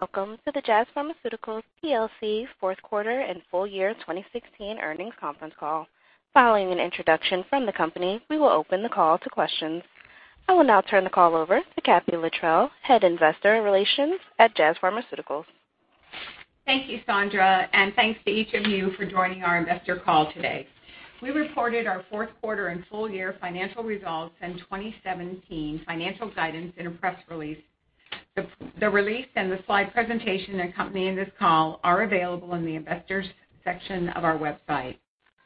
Welcome to the Jazz Pharmaceuticals plc fourth quarter and full year 2016 earnings conference call. Following an introduction from the company, we will open the call to questions. I will now turn the call over to Kathee Littrell, Head of Investor Relations at Jazz Pharmaceuticals. Thank you, Sandra, and thanks to each of you for joining our investor call today. We reported our fourth quarter and full year financial results and 2017 financial guidance in a press release. The release and the slide presentation accompanying this call are available in the Investors section of our website.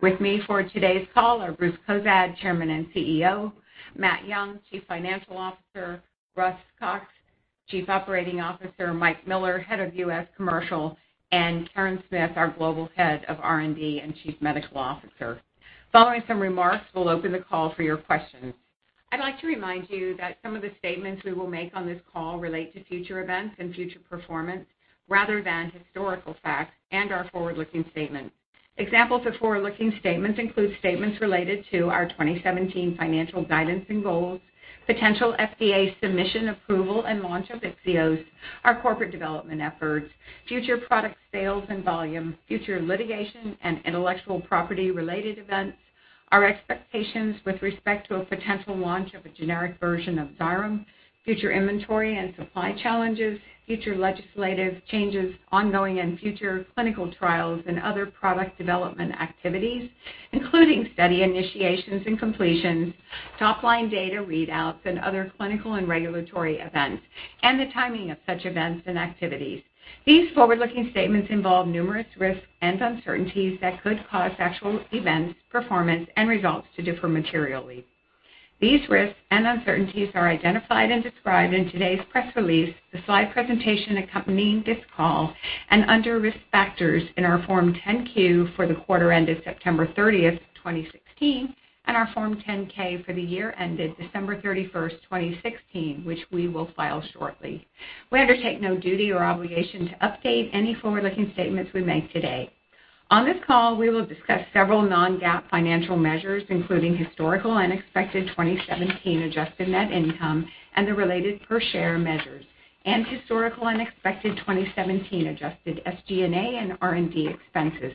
With me for today's call are Bruce Cozadd, Chairman and CEO, Matt Young, Chief Financial Officer, Russ Cox, Chief Operating Officer, Mike Miller, Head of U.S. Commercial, and Karen Smith, our Global Head of R&D and Chief Medical Officer. Following some remarks, we'll open the call for your questions. I'd like to remind you that some of the statements we will make on this call relate to future events and future performance rather than historical facts and are forward-looking statements. Examples of forward-looking statements include statements related to our 2017 financial guidance and goals, potential FDA submission approval and launch of Vyx, our corporate development efforts, future product sales and volume, future litigation and intellectual property-related events, our expectations with respect to a potential launch of a generic version of Xyrem, future inventory and supply challenges, future legislative changes, ongoing and future clinical trials and other product development activities, including study initiations and completions, top-line data readouts and other clinical and regulatory events, and the timing of such events and activities. These forward-looking statements involve numerous risks and uncertainties that could cause actual events, performance and results to differ materially. These risks and uncertainties are identified and described in today's press release, the slide presentation accompanying this call, and under Risk Factors in our Form 10-Q for the quarter ended September 30, 2016, and our Form 10-K for the year ended December 31, 2016, which we will file shortly. We undertake no duty or obligation to update any forward-looking statements we make today. On this call, we will discuss several non-GAAP financial measures, including historical and expected 2017 adjusted net income and the related per share measures and historical and expected 2017 adjusted SG&A and R&D expenses.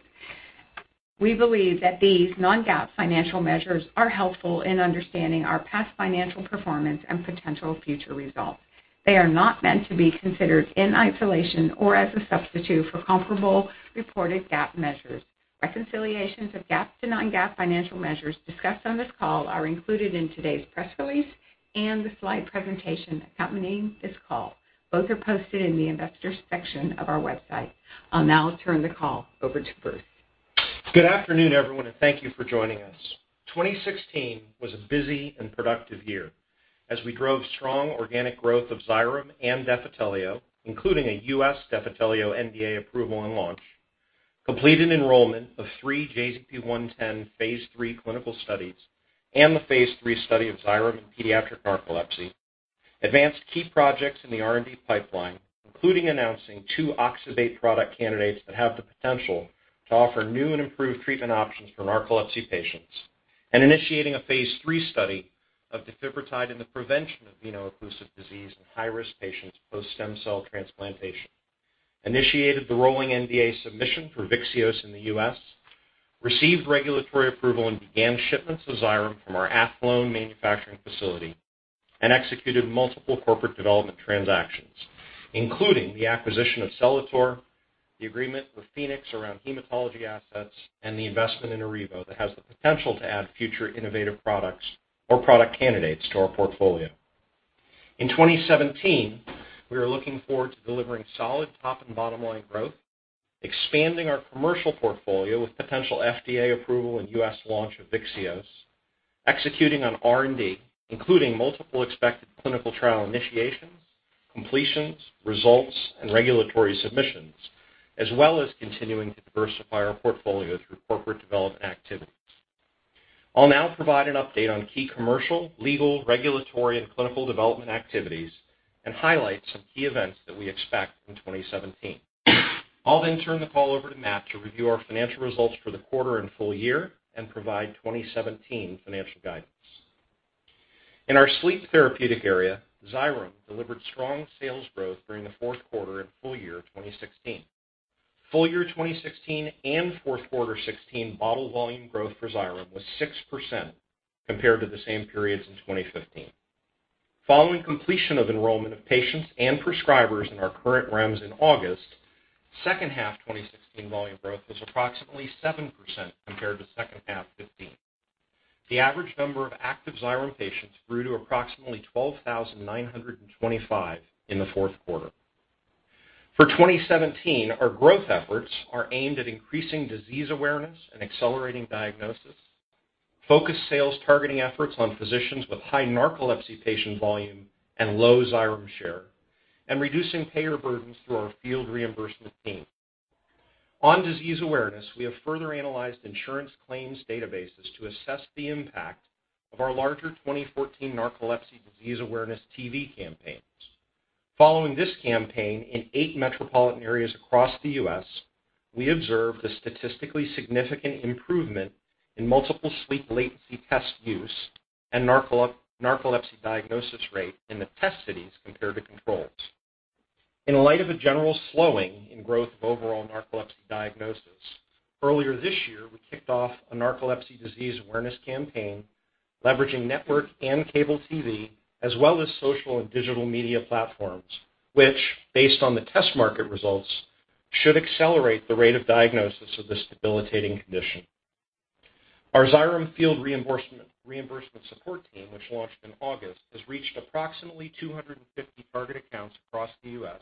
We believe that these non-GAAP financial measures are helpful in understanding our past financial performance and potential future results. They are not meant to be considered in isolation or as a substitute for comparable reported GAAP measures. Reconciliations of GAAP to non-GAAP financial measures discussed on this call are included in today's press release and the slide presentation accompanying this call. Both are posted in the Investors section of our website. I'll now turn the call over to Bruce. Good afternoon, everyone, and thank you for joining us. 2016 was a busy and productive year as we drove strong organic growth of Xyrem and Defitelio, including a U.S. Defitelio NDA approval and launch, completed enrollment of 3 JZP-110 Phase 3 clinical studies and the Phase 3 study of Xyrem in pediatric narcolepsy, advanced key projects in the R&D pipeline, including announcing two oxybate product candidates that have the potential to offer new and improved treatment options for narcolepsy patients and initiating a Phase 3 study of defibrotide in the prevention of veno-occlusive disease in high-risk patients post-stem cell transplantation, initiated the rolling NDA submission for VYXEOS in the U.S., received regulatory approval and began shipments of Xyrem from our Athlone manufacturing facility, and executed multiple corporate development transactions, including the acquisition of Celator, the agreement with Pfenex around hematology assets, and the investment in Arrivo that has the potential to add future innovative products or product candidates to our portfolio. In 2017, we are looking forward to delivering solid top and bottom-line growth, expanding our commercial portfolio with potential FDA approval and U.S. launch of VYXEOS, executing on R&D, including multiple expected clinical trial initiations, completions, results, and regulatory submissions, as well as continuing to diversify our portfolio through corporate development activities. I'll now provide an update on key commercial, legal, regulatory, and clinical development activities and highlight some key events that we expect in 2017. I'll then turn the call over to Matt to review our financial results for the quarter and full year and provide 2017 financial guidance. In our sleep therapeutic area, Xyrem delivered strong sales growth during the fourth quarter and full year 2016. Full year 2016 and fourth quarter 2016 bottle volume growth for Xyrem was 6% compared to the same periods in 2015. Following completion of enrollment of patients and prescribers in our current REMS in August, second half 2016 volume growth was approximately 7% compared to second half 2015. The average number of active Xyrem patients grew to approximately 12,925 in the fourth quarter. For 2017, our growth efforts are aimed at increasing disease awareness and accelerating diagnosis, focus sales targeting efforts on physicians with high narcolepsy patient volume and low Xyrem share, and reducing payer burdens through our field reimbursement team. On disease awareness, we have further analyzed insurance claims databases to assess the impact of our larger 2014 narcolepsy disease awareness TV campaigns. Following this campaign in 8 metropolitan areas across the U.S. We observed a statistically significant improvement in Multiple Sleep Latency Test use and narcolepsy diagnosis rate in the test cities compared to controls. In light of a general slowing in growth of overall narcolepsy diagnosis, earlier this year, we kicked off a narcolepsy disease awareness campaign leveraging network and cable TV, as well as social and digital media platforms, which, based on the test market results, should accelerate the rate of diagnosis of this debilitating condition. Our Xyrem field reimbursement support team, which launched in August, has reached approximately 250 target accounts across the U.S.,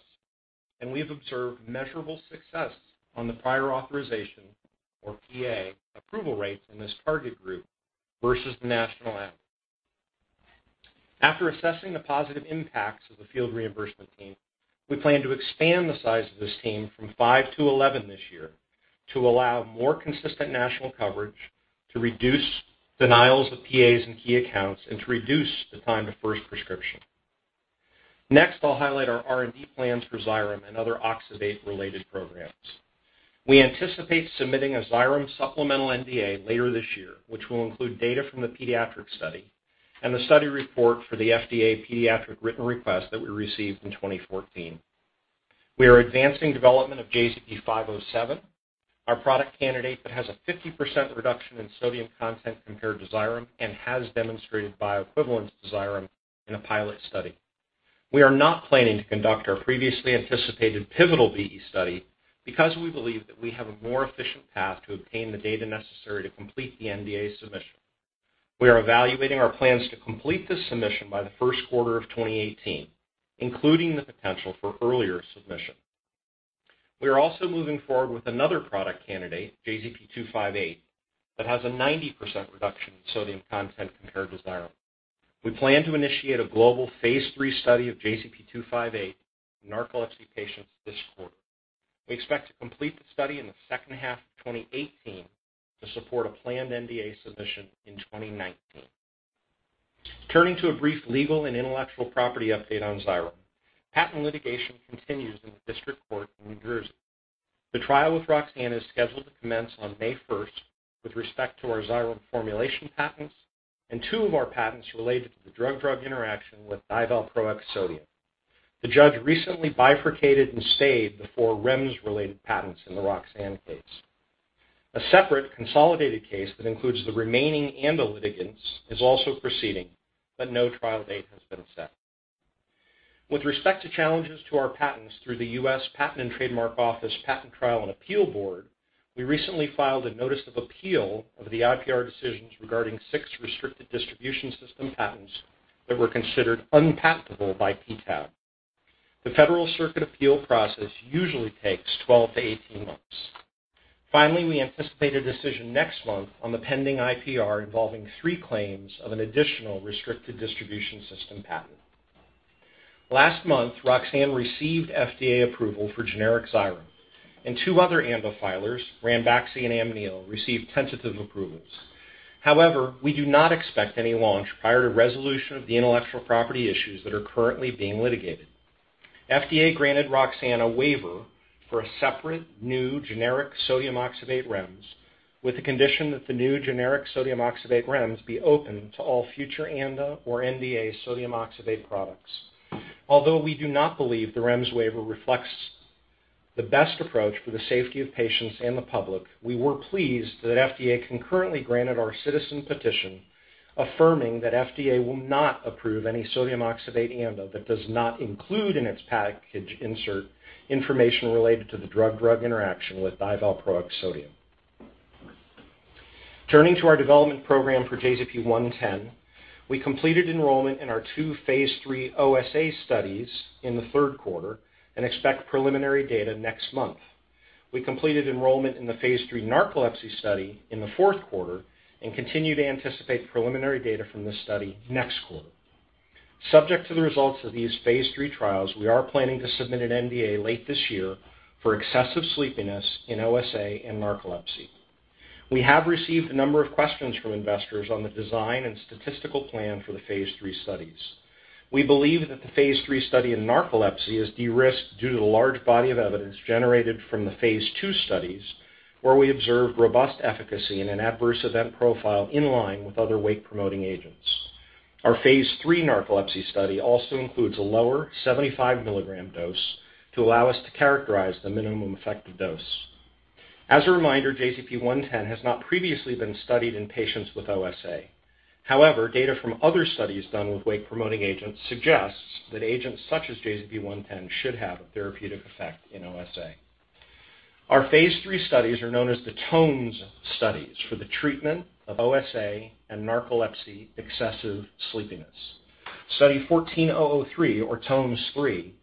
and we have observed measurable success on the prior authorization, or PA, approval rates in this target group versus the national average. After assessing the positive impacts of the field reimbursement team, we plan to expand the size of this team from five to 11 this year to allow more consistent national coverage, to reduce denials of PAs in key accounts, and to reduce the time to first prescription. Next, I'll highlight our R&D plans for Xyrem and other oxybate-related programs. We anticipate submitting a Xyrem supplemental NDA later this year, which will include data from the pediatric study and the study report for the FDA pediatric written request that we received in 2014. We are advancing development of JZP-507, our product candidate that has a 50% reduction in sodium content compared to Xyrem and has demonstrated bioequivalence to Xyrem in a pilot study. We are not planning to conduct our previously anticipated pivotal BE study because we believe that we have a more efficient path to obtain the data necessary to complete the NDA submission. We are evaluating our plans to complete this submission by the first quarter of 2018, including the potential for earlier submission. We are also moving forward with another product candidate, JZP-258, that has a 90% reduction in sodium content compared to Xyrem. We plan to initiate a global phase 3 study of JZP-258 in narcolepsy patients this quarter. We expect to complete the study in the second half of 2018 to support a planned NDA submission in 2019. Turning to a brief legal and intellectual property update on Xyrem. Patent litigation continues in the District Court in New Jersey. The trial with Roxane is scheduled to commence on May 1 with respect to our Xyrem formulation patents and two of our patents related to the drug-drug interaction with divalproex sodium. The judge recently bifurcated and stayed the four REMS-related patents in the Roxane case. A separate consolidated case that includes the remaining and the litigants is also proceeding, but no trial date has been set. With respect to challenges to our patents through the U.S. Patent and Trademark Office Patent Trial and Appeal Board, we recently filed a notice of appeal of the IPR decisions regarding six restricted distribution system patents that were considered unpatentable by PTAB. The Federal Circuit appeal process usually takes 12-18 months. Finally, we anticipate a decision next month on the pending IPR involving three claims of an additional restricted distribution system patent. Last month, Roxane received FDA approval for generic Xyrem, and two other ANDA filers, Ranbaxy and Amneal, received tentative approvals. However, we do not expect any launch prior to resolution of the intellectual property issues that are currently being litigated. FDA granted Roxane a waiver for a separate new generic sodium oxybate REMS with the condition that the new generic sodium oxybate REMS be open to all future ANDA or NDA sodium oxybate products. Although we do not believe the REMS waiver reflects the best approach for the safety of patients and the public, we were pleased that FDA concurrently granted our citizen petition affirming that FDA will not approve any sodium oxybate ANDA that does not include in its package insert information related to the drug-drug interaction with divalproex sodium. Turning to our development program for JZP-110, we completed enrollment in our two phase three OSA studies in the third quarter and expect preliminary data next month. We completed enrollment in the phase three narcolepsy study in the fourth quarter and continue to anticipate preliminary data from this study next quarter. Subject to the results of these phase three trials, we are planning to submit an NDA late this year for excessive sleepiness in OSA and narcolepsy. We have received a number of questions from investors on the design and statistical plan for the Phase 3 studies. We believe that the Phase 3 study in narcolepsy is de-risked due to the large body of evidence generated from the Phase 2 studies, where we observed robust efficacy and an adverse event profile in line with other wake-promoting agents. Our Phase 3 narcolepsy study also includes a lower 75 mg dose to allow us to characterize the minimum effective dose. As a reminder, JZP-110 has not previously been studied in patients with OSA. However, data from other studies done with wake-promoting agents suggests that agents such as JZP-110 should have a therapeutic effect in OSA. Our Phase 3 studies are known as the TONES studies for the treatment of OSA and narcolepsy excessive sleepiness. Study 14003 or TONES 3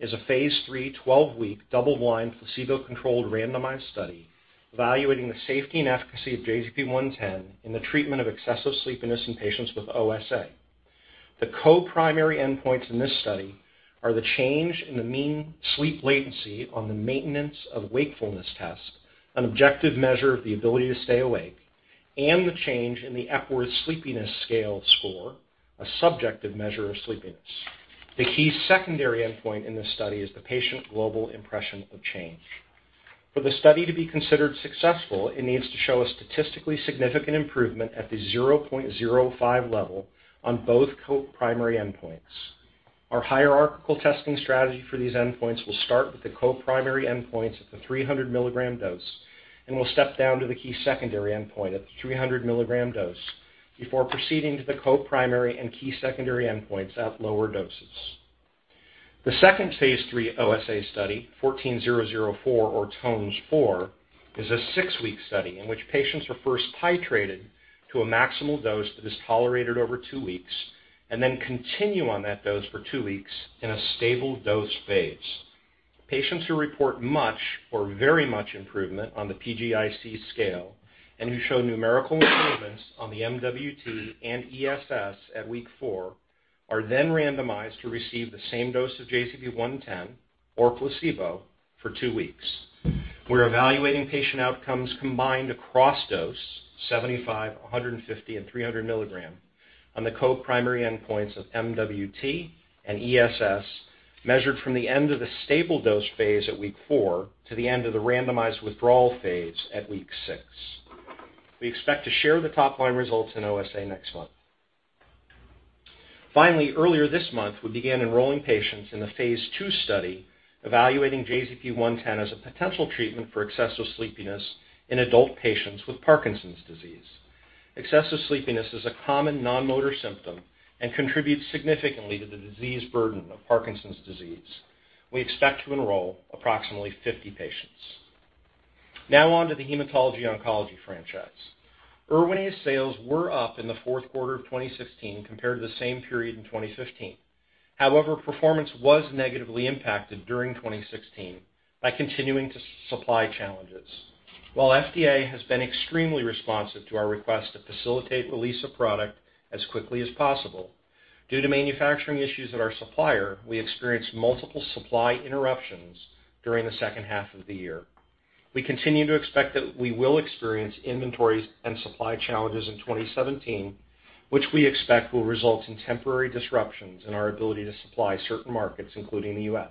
is a Phase 3 12-week double-blind placebo-controlled randomized study evaluating the safety and efficacy of JZP-110 in the treatment of excessive sleepiness in patients with OSA. The co-primary endpoints in this study are the change in the mean sleep latency on the maintenance of wakefulness test, an objective measure of the ability to stay awake. The change in the Epworth Sleepiness Scale score, a subjective measure of sleepiness. The key secondary endpoint in this study is the Patient Global Impression of Change. For the study to be considered successful, it needs to show a statistically significant improvement at the 0.05 level on both co-primary endpoints. Our hierarchical testing strategy for these endpoints will start with the co-primary endpoints at the 300 mg dose and will step down to the key secondary endpoint at the 300 mg dose before proceeding to the co-primary and key secondary endpoints at lower doses. The second phase 3 OSA study, 14004 or TONES-4, is a six-week study in which patients are first titrated to a maximal dose that is tolerated over two weeks and then continue on that dose for two weeks in a stable dose phase. Patients who report much or very much improvement on the PGIC scale and who show numerical improvements on the MWT and ESS at week four are then randomized to receive the same dose of JZP-110 or placebo for two weeks. We're evaluating patient outcomes combined across dose 75, 150 and 300 milligram on the co-primary endpoints of MWT and ESS, measured from the end of the stable dose phase at week four to the end of the randomized withdrawal phase at week 6. We expect to share the top-line results in OSA next month. Finally, earlier this month, we began enrolling patients in the Phase 2 study evaluating JZP-110 as a potential treatment for excessive sleepiness in adult patients with Parkinson's disease. Excessive sleepiness is a common non-motor symptom and contributes significantly to the disease burden of Parkinson's disease. We expect to enroll approximately 50 patients. Now on to the Hematology Oncology franchise. Erwinaze sales were up in the fourth quarter of 2016 compared to the same period in 2015. However, performance was negatively impacted during 2016 by continuing supply challenges. While FDA has been extremely responsive to our request to facilitate release of product as quickly as possible, due to manufacturing issues at our supplier, we experienced multiple supply interruptions during the second half of the year. We continue to expect that we will experience inventories and supply challenges in 2017, which we expect will result in temporary disruptions in our ability to supply certain markets, including the U.S.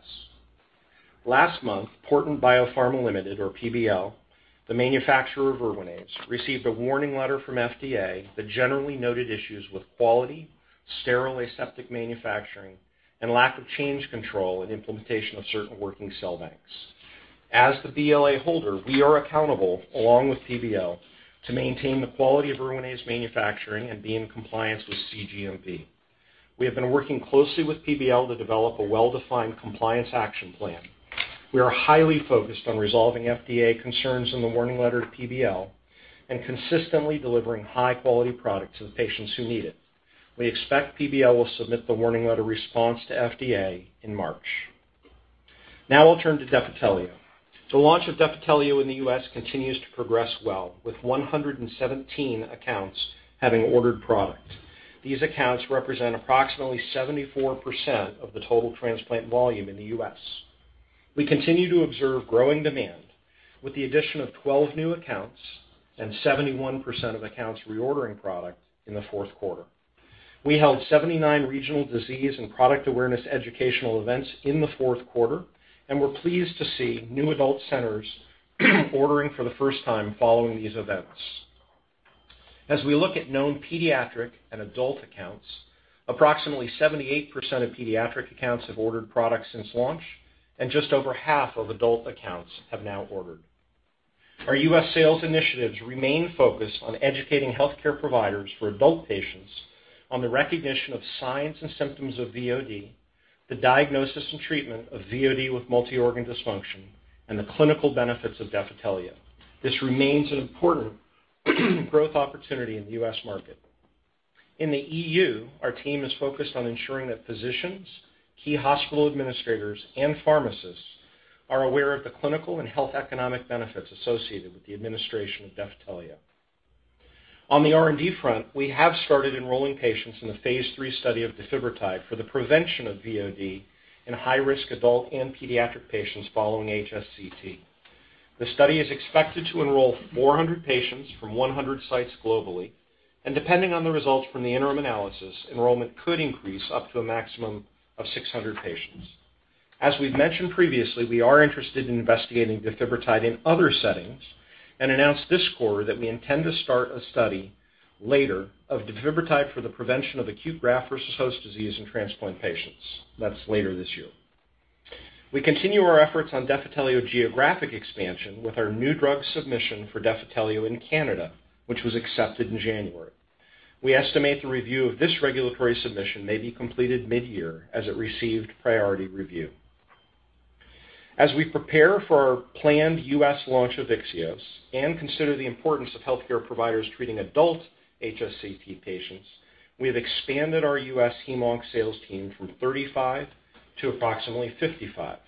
Last month, Porton Biopharma Limited or PBL, the manufacturer of Erwinaze, received a warning letter from FDA that generally noted issues with quality, sterile aseptic manufacturing, and lack of change control and implementation of certain working cell banks. As the BLA holder, we are accountable, along with PBL, to maintain the quality of Erwinaze manufacturing and be in compliance with cGMP. We have been working closely with PBL to develop a well-defined compliance action plan. We are highly focused on resolving FDA concerns in the warning letter to PBL and consistently delivering high-quality product to the patients who need it. We expect PBL will submit the warning letter response to FDA in March. Now I'll turn to Defitelio. The launch of Defitelio in the U.S. continues to progress well, with 117 accounts having ordered product. These accounts represent approximately 74% of the total transplant volume in the U.S. We continue to observe growing demand with the addition of 12 new accounts and 71% of accounts reordering product in the fourth quarter. We held 79 regional disease and product awareness educational events in the fourth quarter, and we're pleased to see new adult centers ordering for the first time following these events. As we look at known pediatric and adult accounts, approximately 78% of pediatric accounts have ordered product since launch, and just over half of adult accounts have now ordered. Our U.S. sales initiatives remain focused on educating healthcare providers for adult patients on the recognition of signs and symptoms of VOD, the diagnosis and treatment of VOD with multi-organ dysfunction, and the clinical benefits of Defitelio. This remains an important growth opportunity in the U.S. market. In the EU, our team is focused on ensuring that physicians, key hospital administrators, and pharmacists are aware of the clinical and health economic benefits associated with the administration of Defitelio. On the R&D front, we have started enrolling patients in the phase 3 study of defibrotide for the prevention of VOD in high-risk adult and pediatric patients following HSCT. The study is expected to enroll 400 patients from 100 sites globally, and depending on the results from the interim analysis, enrollment could increase up to a maximum of 600 patients. As we've mentioned previously, we are interested in investigating defibrotide in other settings and announced this quarter that we intend to start a study later of defibrotide for the prevention of acute graft-versus-host disease in transplant patients. That's later this year. We continue our efforts on Defitelio geographic expansion with our new drug submission for Defitelio in Canada, which was accepted in January. We estimate the review of this regulatory submission may be completed mid-year as it received priority review. As we prepare for our planned U.S. launch of VYXEOS and consider the importance of healthcare providers treating adult HSCT patients, we have expanded our U.S. hem/onc sales team from 35 to approximately 55.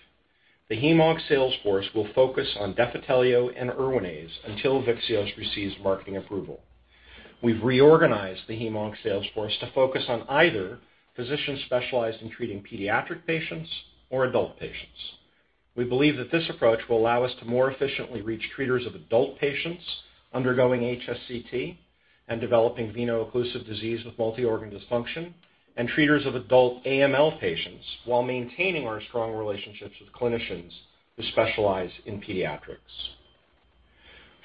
The hemonc sales force will focus on Defitelio and Erwinaze until Vyxeos receives marketing approval. We've reorganized the hemonc sales force to focus on either physicians specialized in treating pediatric patients or adult patients. We believe that this approach will allow us to more efficiently reach treaters of adult patients undergoing HSCT and developing veno-occlusive disease with multi-organ dysfunction and treaters of adult AML patients while maintaining our strong relationships with clinicians who specialize in pediatrics.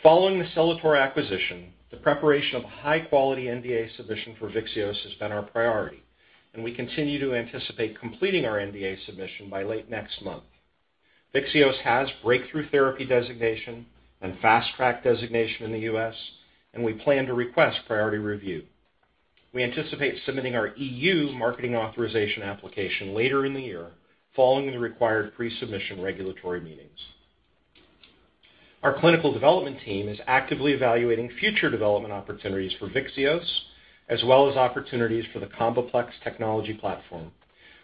Following the Celator acquisition, the preparation of a high-quality NDA submission for Vyxeos has been our priority, and we continue to anticipate completing our NDA submission by late next month. Vyxeos has breakthrough therapy designation and fast track designation in the U.S., and we plan to request priority review. We anticipate submitting our EU marketing authorization application later in the year following the required pre-submission regulatory meetings. Our clinical development team is actively evaluating future development opportunities for VYXEOS as well as opportunities for the CombiPlex technology platform.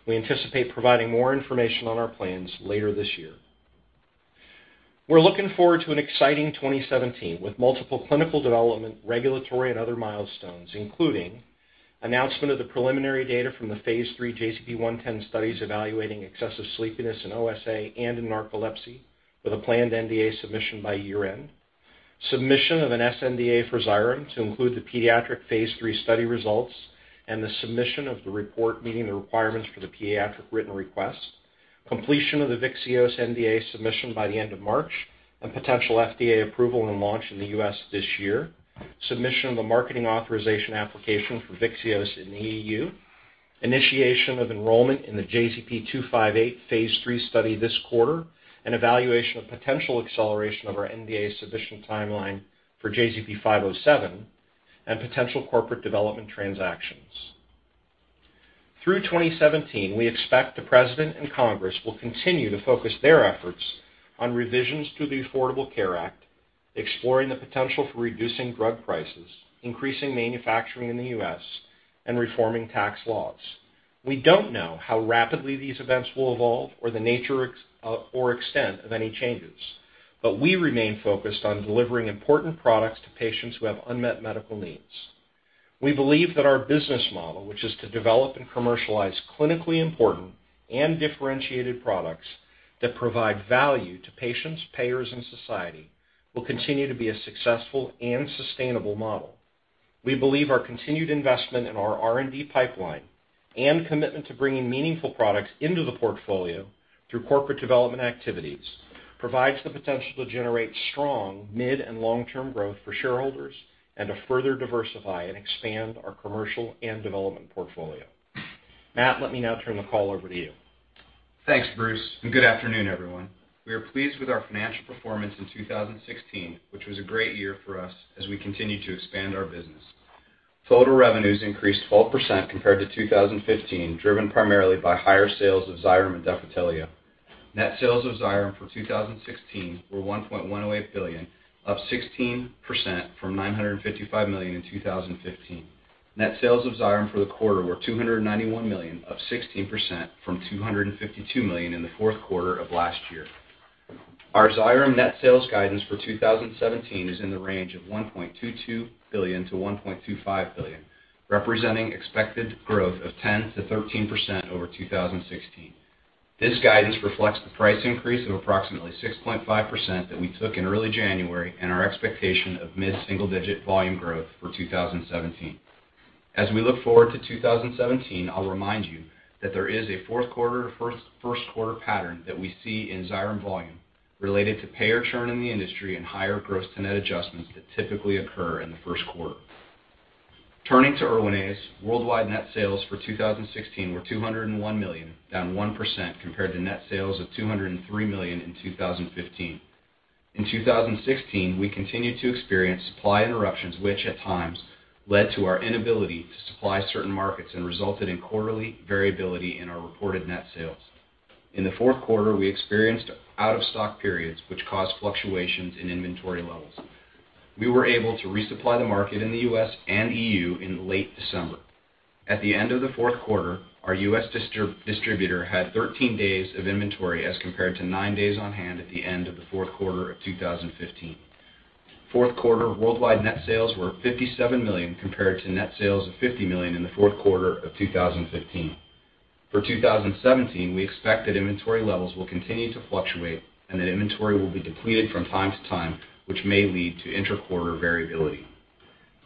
We anticipate providing more information on our plans later this year. We're looking forward to an exciting 2017 with multiple clinical development, regulatory, and other milestones, including announcement of the preliminary data from the phase three JZP-110 studies evaluating excessive sleepiness in OSA and in narcolepsy with a planned NDA submission by year-end. Submission of an sNDA for Xyrem to include the pediatric phase three study results and the submission of the report meeting the requirements for the pediatric written request. Completion of the VYXEOS NDA submission by the end of March and potential FDA approval and launch in the U.S. this year. Submission of the marketing authorization application for VYXEOS in the EU. Initiation of enrollment in the JZP-258 Phase 3 study this quarter. An evaluation of potential acceleration of our NDA submission timeline for JZP-507 and potential corporate development transactions. Through 2017, we expect the President and Congress will continue to focus their efforts on revisions to the Affordable Care Act, exploring the potential for reducing drug prices, increasing manufacturing in the U.S., and reforming tax laws. We don't know how rapidly these events will evolve or the nature or extent of any changes, but we remain focused on delivering important products to patients who have unmet medical needs. We believe that our business model, which is to develop and commercialize clinically important and differentiated products that provide value to patients, payers, and society, will continue to be a successful and sustainable model. We believe our continued investment in our R&D pipeline and commitment to bringing meaningful products into the portfolio through corporate development activities provides the potential to generate strong mid and long-term growth for shareholders and to further diversify and expand our commercial and development portfolio. Matt, let me now turn the call over to you. Thanks, Bruce, and good afternoon, everyone. We are pleased with our financial performance in 2016, which was a great year for us as we continue to expand our business. Total revenues increased 12% compared to 2015, driven primarily by higher sales of Xyrem and Defitelio. Net sales of Xyrem for 2016 were $1.108 billion, up 16% from $955 million in 2015. Net sales of Xyrem for the quarter were $291 million, up 16% from $252 million in the fourth quarter of last year. Our Xyrem net sales guidance for 2017 is in the range of $1.22 billion-$1.25 billion, representing expected growth of 10%-13% over 2016. This guidance reflects the price increase of approximately 6.5% that we took in early January and our expectation of mid-single-digit volume growth for 2017. As we look forward to 2017, I'll remind you that there is a fourth quarter, first quarter pattern that we see in Xyrem volume related to payer churn in the industry and higher gross to net adjustments that typically occur in the first quarter. Turning to Erwinaze, worldwide net sales for 2016 were $201 million, down 1% compared to net sales of $203 million in 2015. In 2016, we continued to experience supply interruptions, which at times led to our inability to supply certain markets and resulted in quarterly variability in our reported net sales. In the fourth quarter, we experienced out-of-stock periods which caused fluctuations in inventory levels. We were able to resupply the market in the U.S. and E.U. in late December. At the end of the fourth quarter, our U.S. distributor had 13 days of inventory as compared to 9 days on hand at the end of the fourth quarter of 2015. Fourth quarter worldwide net sales were $57 million compared to net sales of $50 million in the fourth quarter of 2015. For 2017, we expect that inventory levels will continue to fluctuate and that inventory will be depleted from time to time, which may lead to inter-quarter variability.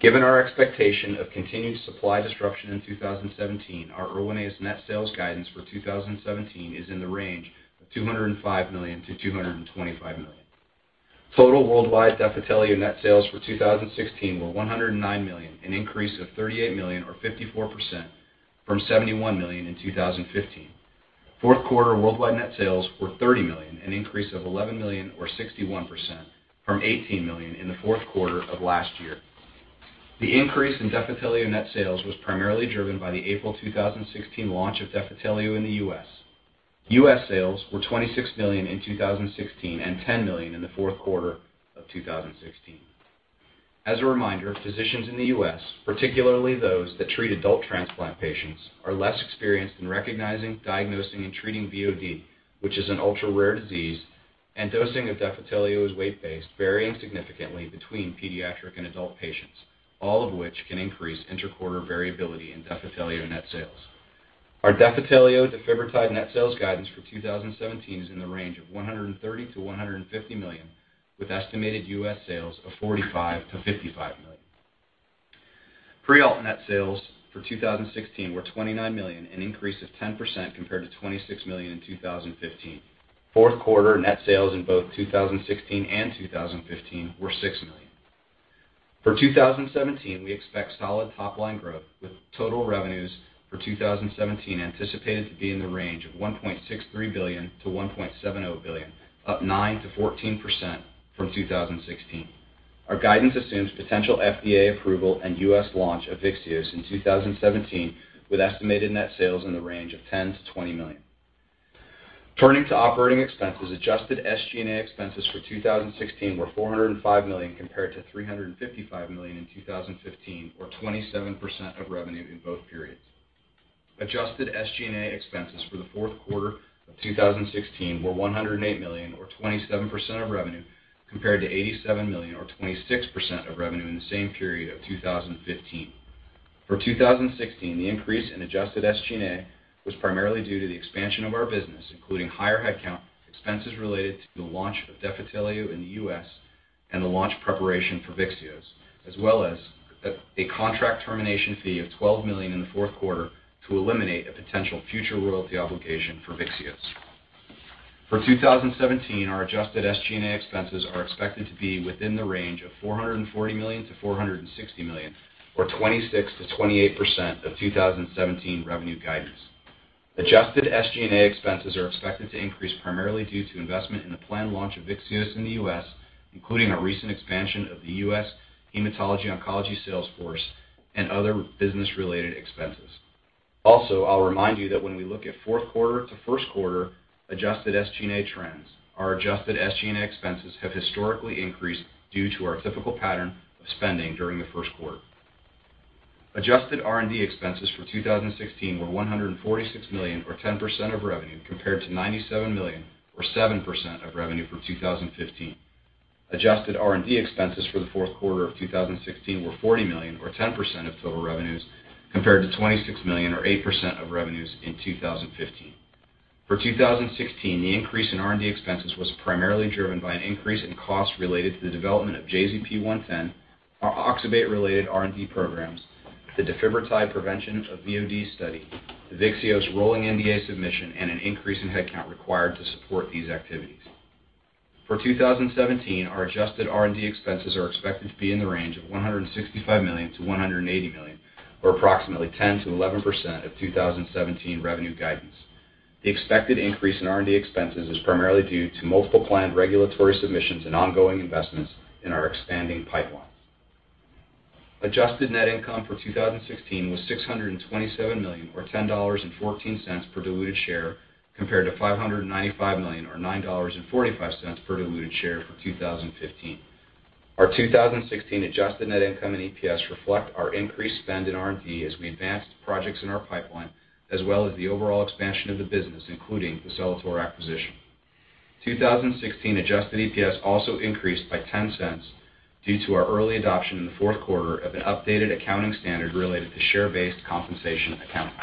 Given our expectation of continued supply disruption in 2017, our Erwinaze net sales guidance for 2017 is in the range of $205 million-$225 million. Total worldwide Defitelio net sales for 2016 were $109 million, an increase of $38 million or 54% from $71 million in 2015. Fourth quarter worldwide net sales were $30 million, an increase of $11 million or 61% from $18 million in the fourth quarter of last year. The increase in Defitelio net sales was primarily driven by the April 2016 launch of Defitelio in the U.S. U.S. sales were $26 million in 2016 and $10 million in the fourth quarter of 2016. As a reminder, physicians in the U.S., particularly those that treat adult transplant patients, are less experienced in recognizing, diagnosing, and treating VOD, which is an ultra-rare disease. Dosing of Defitelio is weight-based, varying significantly between pediatric and adult patients, all of which can increase inter-quarter variability in Defitelio net sales. Our Defitelio defibrotide net sales guidance for 2017 is in the range of $130-$150 million, with estimated U.S. sales of $45-$55 million. Prialt net sales for 2016 were $29 million, an increase of 10% compared to $26 million in 2015. Fourth quarter net sales in both 2016 and 2015 were $6 million. For 2017, we expect solid top-line growth with total revenues for 2017 anticipated to be in the range of $1.63 billion-$1.70 billion, up 9%-14% from 2016. Our guidance assumes potential FDA approval and US launch of VYXEOS in 2017, with estimated net sales in the range of $10 million-$20 million. Turning to operating expenses, adjusted SG&A expenses for 2016 were $405 million compared to $355 million in 2015, or 27% of revenue in both periods. Adjusted SG&A expenses for the fourth quarter of 2016 were $108 million, or 27% of revenue, compared to $87 million, or 26% of revenue in the same period of 2015. For 2016, the increase in adjusted SG&A was primarily due to the expansion of our business, including higher headcount, expenses related to the launch of Defitelio in the U.S., and the launch preparation for VYXEOS, as well as a contract termination fee of $12 million in the fourth quarter to eliminate a potential future royalty obligation for VYXEOS. For 2017, our adjusted SG&A expenses are expected to be within the range of $440 million-$460 million, or 26%-28% of 2017 revenue guidance. Adjusted SG&A expenses are expected to increase primarily due to investment in the planned launch of VYXEOS in the U.S., including a recent expansion of the U.S. Hematology Oncology sales force and other business-related expenses. Also, I'll remind you that when we look at fourth quarter to first quarter adjusted SG&A trends, our adjusted SG&A expenses have historically increased due to our typical pattern of spending during the first quarter. Adjusted R&D expenses for 2016 were $146 million, or 10% of revenue, compared to $97 million, or 7% of revenue for 2015. Adjusted R&D expenses for the fourth quarter of 2016 were $40 million or 10% of total revenues compared to $26 million or 8% of revenues in 2015. For 2016, the increase in R&D expenses was primarily driven by an increase in costs related to the development of JZP-110, our oxybate-related R&D programs, the defibrotide prevention of VOD study, the VYXEOS rolling NDA submission, and an increase in headcount required to support these activities. For 2017, our adjusted R&D expenses are expected to be in the range of $165 million-$180 million, or approximately 10%-11% of 2017 revenue guidance. The expected increase in R&D expenses is primarily due to multiple planned regulatory submissions and ongoing investments in our expanding pipeline. Adjusted net income for 2016 was $627 million or $10.14 per diluted share, compared to $595 million or $9.45 per diluted share for 2015. Our 2016 adjusted net income and EPS reflect our increased spend in R&D as we advanced projects in our pipeline, as well as the overall expansion of the business, including the Celator acquisition. 2016 adjusted EPS also increased by $0.10 due to our early adoption in the fourth quarter of an updated accounting standard related to share-based compensation accounting.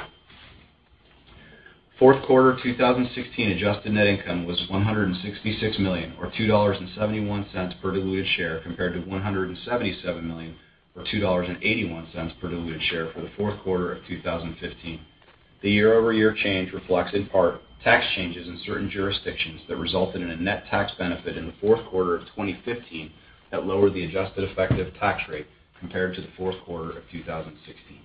Fourth quarter 2016 adjusted net income was $166 million or $2.71 per diluted share compared to $177 million or $2.81 per diluted share for the fourth quarter of 2015. The year-over-year change reflects in part tax changes in certain jurisdictions that resulted in a net tax benefit in the fourth quarter of 2015 that lowered the adjusted effective tax rate compared to the fourth quarter of 2016.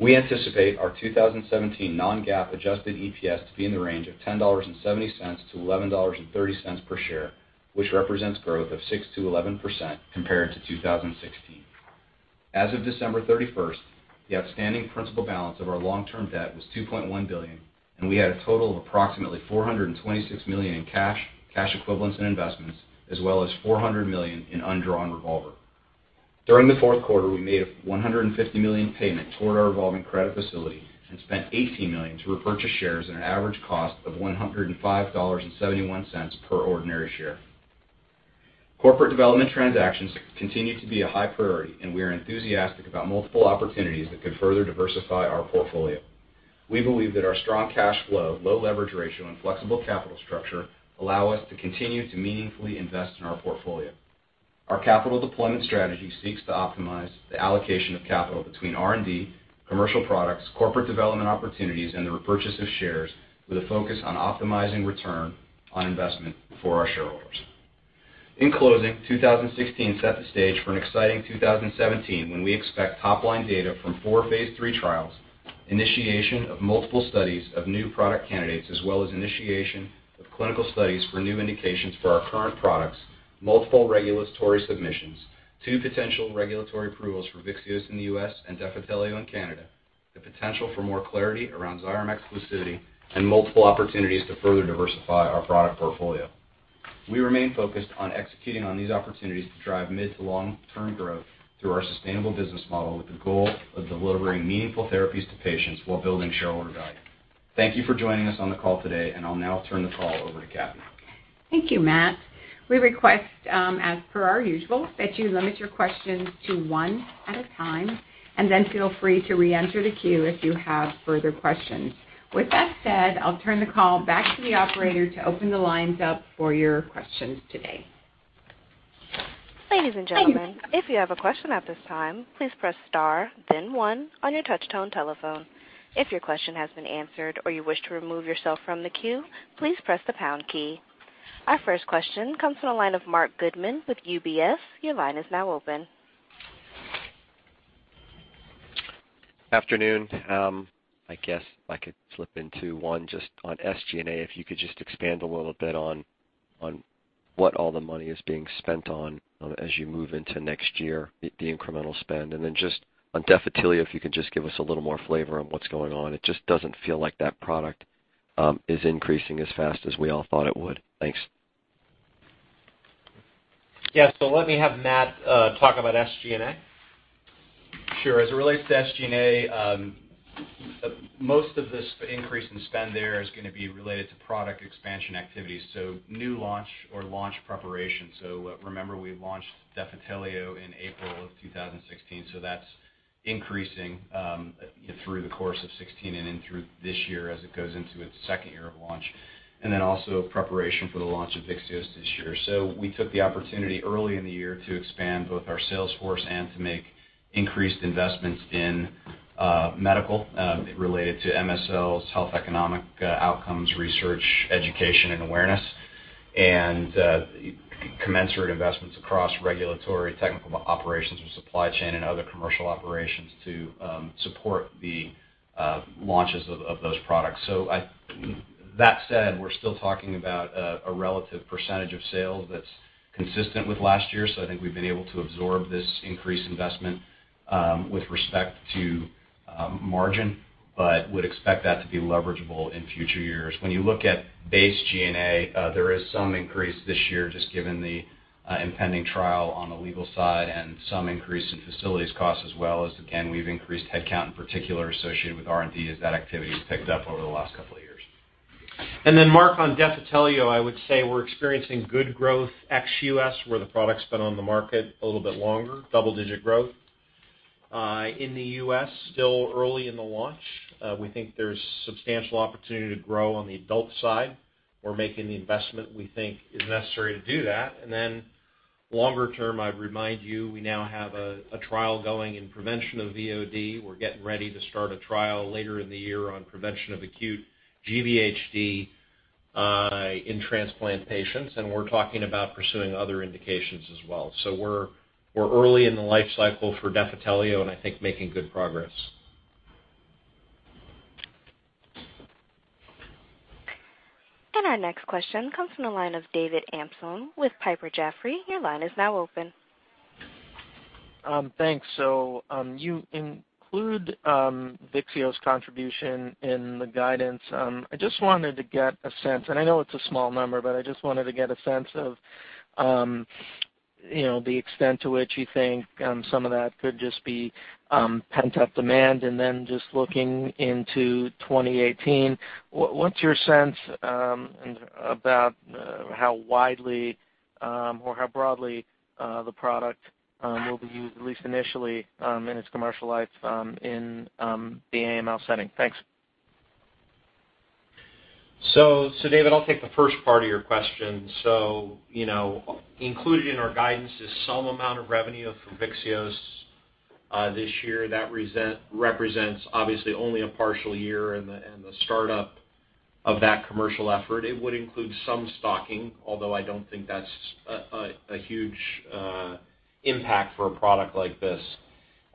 We anticipate our 2017 non-GAAP adjusted EPS to be in the range of $10.70-$11.30 per share, which represents growth of 6%-11% compared to 2016. As of December 31, the outstanding principal balance of our long-term debt was $2.1 billion, and we had a total of approximately $426 million in cash equivalents and investments, as well as $400 million in undrawn revolver. During the fourth quarter, we made a $150 million payment toward our revolving credit facility and spent $18 million to repurchase shares at an average cost of $105.71 per ordinary share. Corporate development transactions continue to be a high priority, and we are enthusiastic about multiple opportunities that could further diversify our portfolio. We believe that our strong cash flow, low leverage ratio, and flexible capital structure allow us to continue to meaningfully invest in our portfolio. Our capital deployment strategy seeks to optimize the allocation of capital between R&D, commercial products, corporate development opportunities, and the repurchase of shares with a focus on optimizing return on investment for our shareholders. In closing, 2016 set the stage for an exciting 2017, when we expect top-line data from 4 phase III trials, initiation of multiple studies of new product candidates, as well as initiation of clinical studies for new indications for our current products, multiple regulatory submissions, 2 potential regulatory approvals for VYXEOS in the U.S. and Defitelio in Canada, the potential for more clarity around Xyrem exclusivity, and multiple opportunities to further diversify our product portfolio. We remain focused on executing on these opportunities to drive mid to long-term growth through our sustainable business model with the goal of delivering meaningful therapies to patients while building shareholder value. Thank you for joining us on the call today, and I'll now turn the call over to Kathee. Thank you, Matt. We request, as per our usual, that you limit your questions to one at a time, and then feel free to reenter the queue if you have further questions. With that said, I'll turn the call back to the operator to open the lines up for your questions today. Ladies and gentlemen, if you have a question at this time, please press star, then one on your touchtone telephone. If your question has been answered or you wish to remove yourself from the queue, please press the pound key. Our first question comes from the line of Marc Goodman with UBS. Your line is now open. Afternoon. I guess I could slip into one just on SG&A, if you could just expand a little bit on what all the money is being spent on, as you move into next year, the incremental spend. Just on Defitelio, if you could just give us a little more flavor on what's going on. It just doesn't feel like that product is increasing as fast as we all thought it would. Thanks. Yeah. Let me have Matt talk about SG&A. Sure. As it relates to SG&A, most of this increase in spend there is gonna be related to product expansion activities, so new launch or launch preparation. Remember, we launched Defitelio in April of 2016, so that's increasing through the course of 2016 and then through this year as it goes into its second year of launch, and then also preparation for the launch of VYXEOS this year. We took the opportunity early in the year to expand both our sales force and to make increased investments in medical related to MSLs, health economic outcomes, research, education, and awareness. Commensurate investments across regulatory, technical operations with supply chain and other commercial operations to support the launches of those products. That said, we're still talking about a relative percentage of sales that's consistent with last year. I think we've been able to absorb this increased investment with respect to margin, but would expect that to be leverageable in future years. When you look at base SG&A, there is some increase this year just given the impending trial on the legal side and some increase in facilities costs as well as again, we've increased headcount in particular associated with R&D as that activity has picked up over the last couple of years. Marc, on Defitelio, I would say we're experiencing good growth ex-US, where the product's been on the market a little bit longer, double-digit growth. In the US, still early in the launch. We think there's substantial opportunity to grow on the adult side. We're making the investment we think is necessary to do that. Longer term, I'd remind you, we now have a trial going in prevention of VOD. We're getting ready to start a trial later in the year on prevention of acute GVHD in transplant patients, and we're talking about pursuing other indications as well. We're early in the life cycle for Defitelio, and I think making good progress. Our next question comes from the line of David Amsellem with Piper Jaffray. Your line is now open. Thanks. You include VYXEOS contribution in the guidance. I just wanted to get a sense, and I know it's a small number, but I just wanted to get a sense of, you know, the extent to which you think some of that could just be pent-up demand. Just looking into 2018, what's your sense about how widely or how broadly the product will be used, at least initially, in its commercial life in the AML setting? Thanks. David, I'll take the first part of your question. Included in our guidance is some amount of revenue from VYXEOS this year. That represents obviously only a partial year and the startup of that commercial effort. It would include some stocking, although I don't think that's a huge impact for a product like this.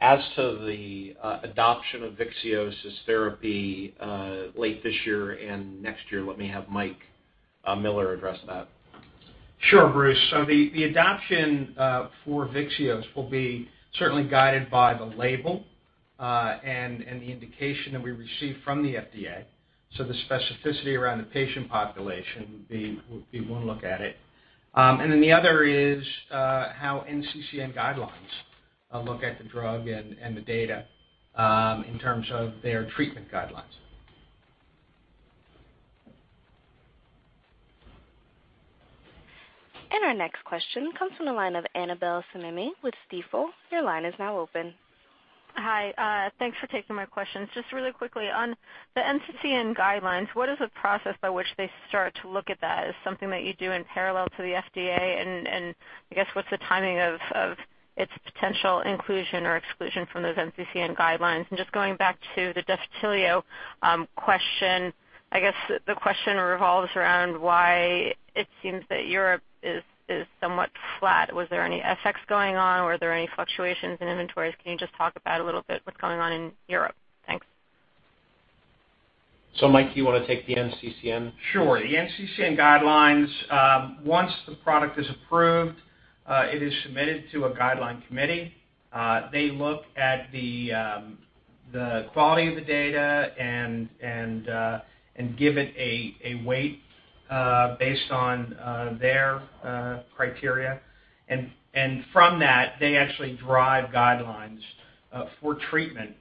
As to the adoption of VYXEOS as therapy late this year and next year, let me have Mike Miller address that. Sure, Bruce. The adoption for VYXEOS will be certainly guided by the label and the indication that we receive from the FDA. The specificity around the patient population would be one look at it. The other is how NCCN guidelines look at the drug and the data in terms of their treatment guidelines. Our next question comes from the line of Annabel Samimy with Stifel. Your line is now open. Hi. Thanks for taking my questions. Just really quickly, on the NCCN guidelines, what is the process by which they start to look at that? Is it something that you do in parallel to the FDA? I guess what's the timing of its potential inclusion or exclusion from those NCCN guidelines? Just going back to the Defitelio question, I guess the question revolves around why it seems that Europe is somewhat flat. Was there any FX going on, or were there any fluctuations in inventories? Can you just talk about a little bit what's going on in Europe? Thanks. Mike, do you wanna take the NCCN piece? Sure. The NCCN guidelines, once the product is approved, it is submitted to a guideline committee. They look at the, The quality of the data and give it a weight based on their criteria. From that, they actually drive guidelines for treatment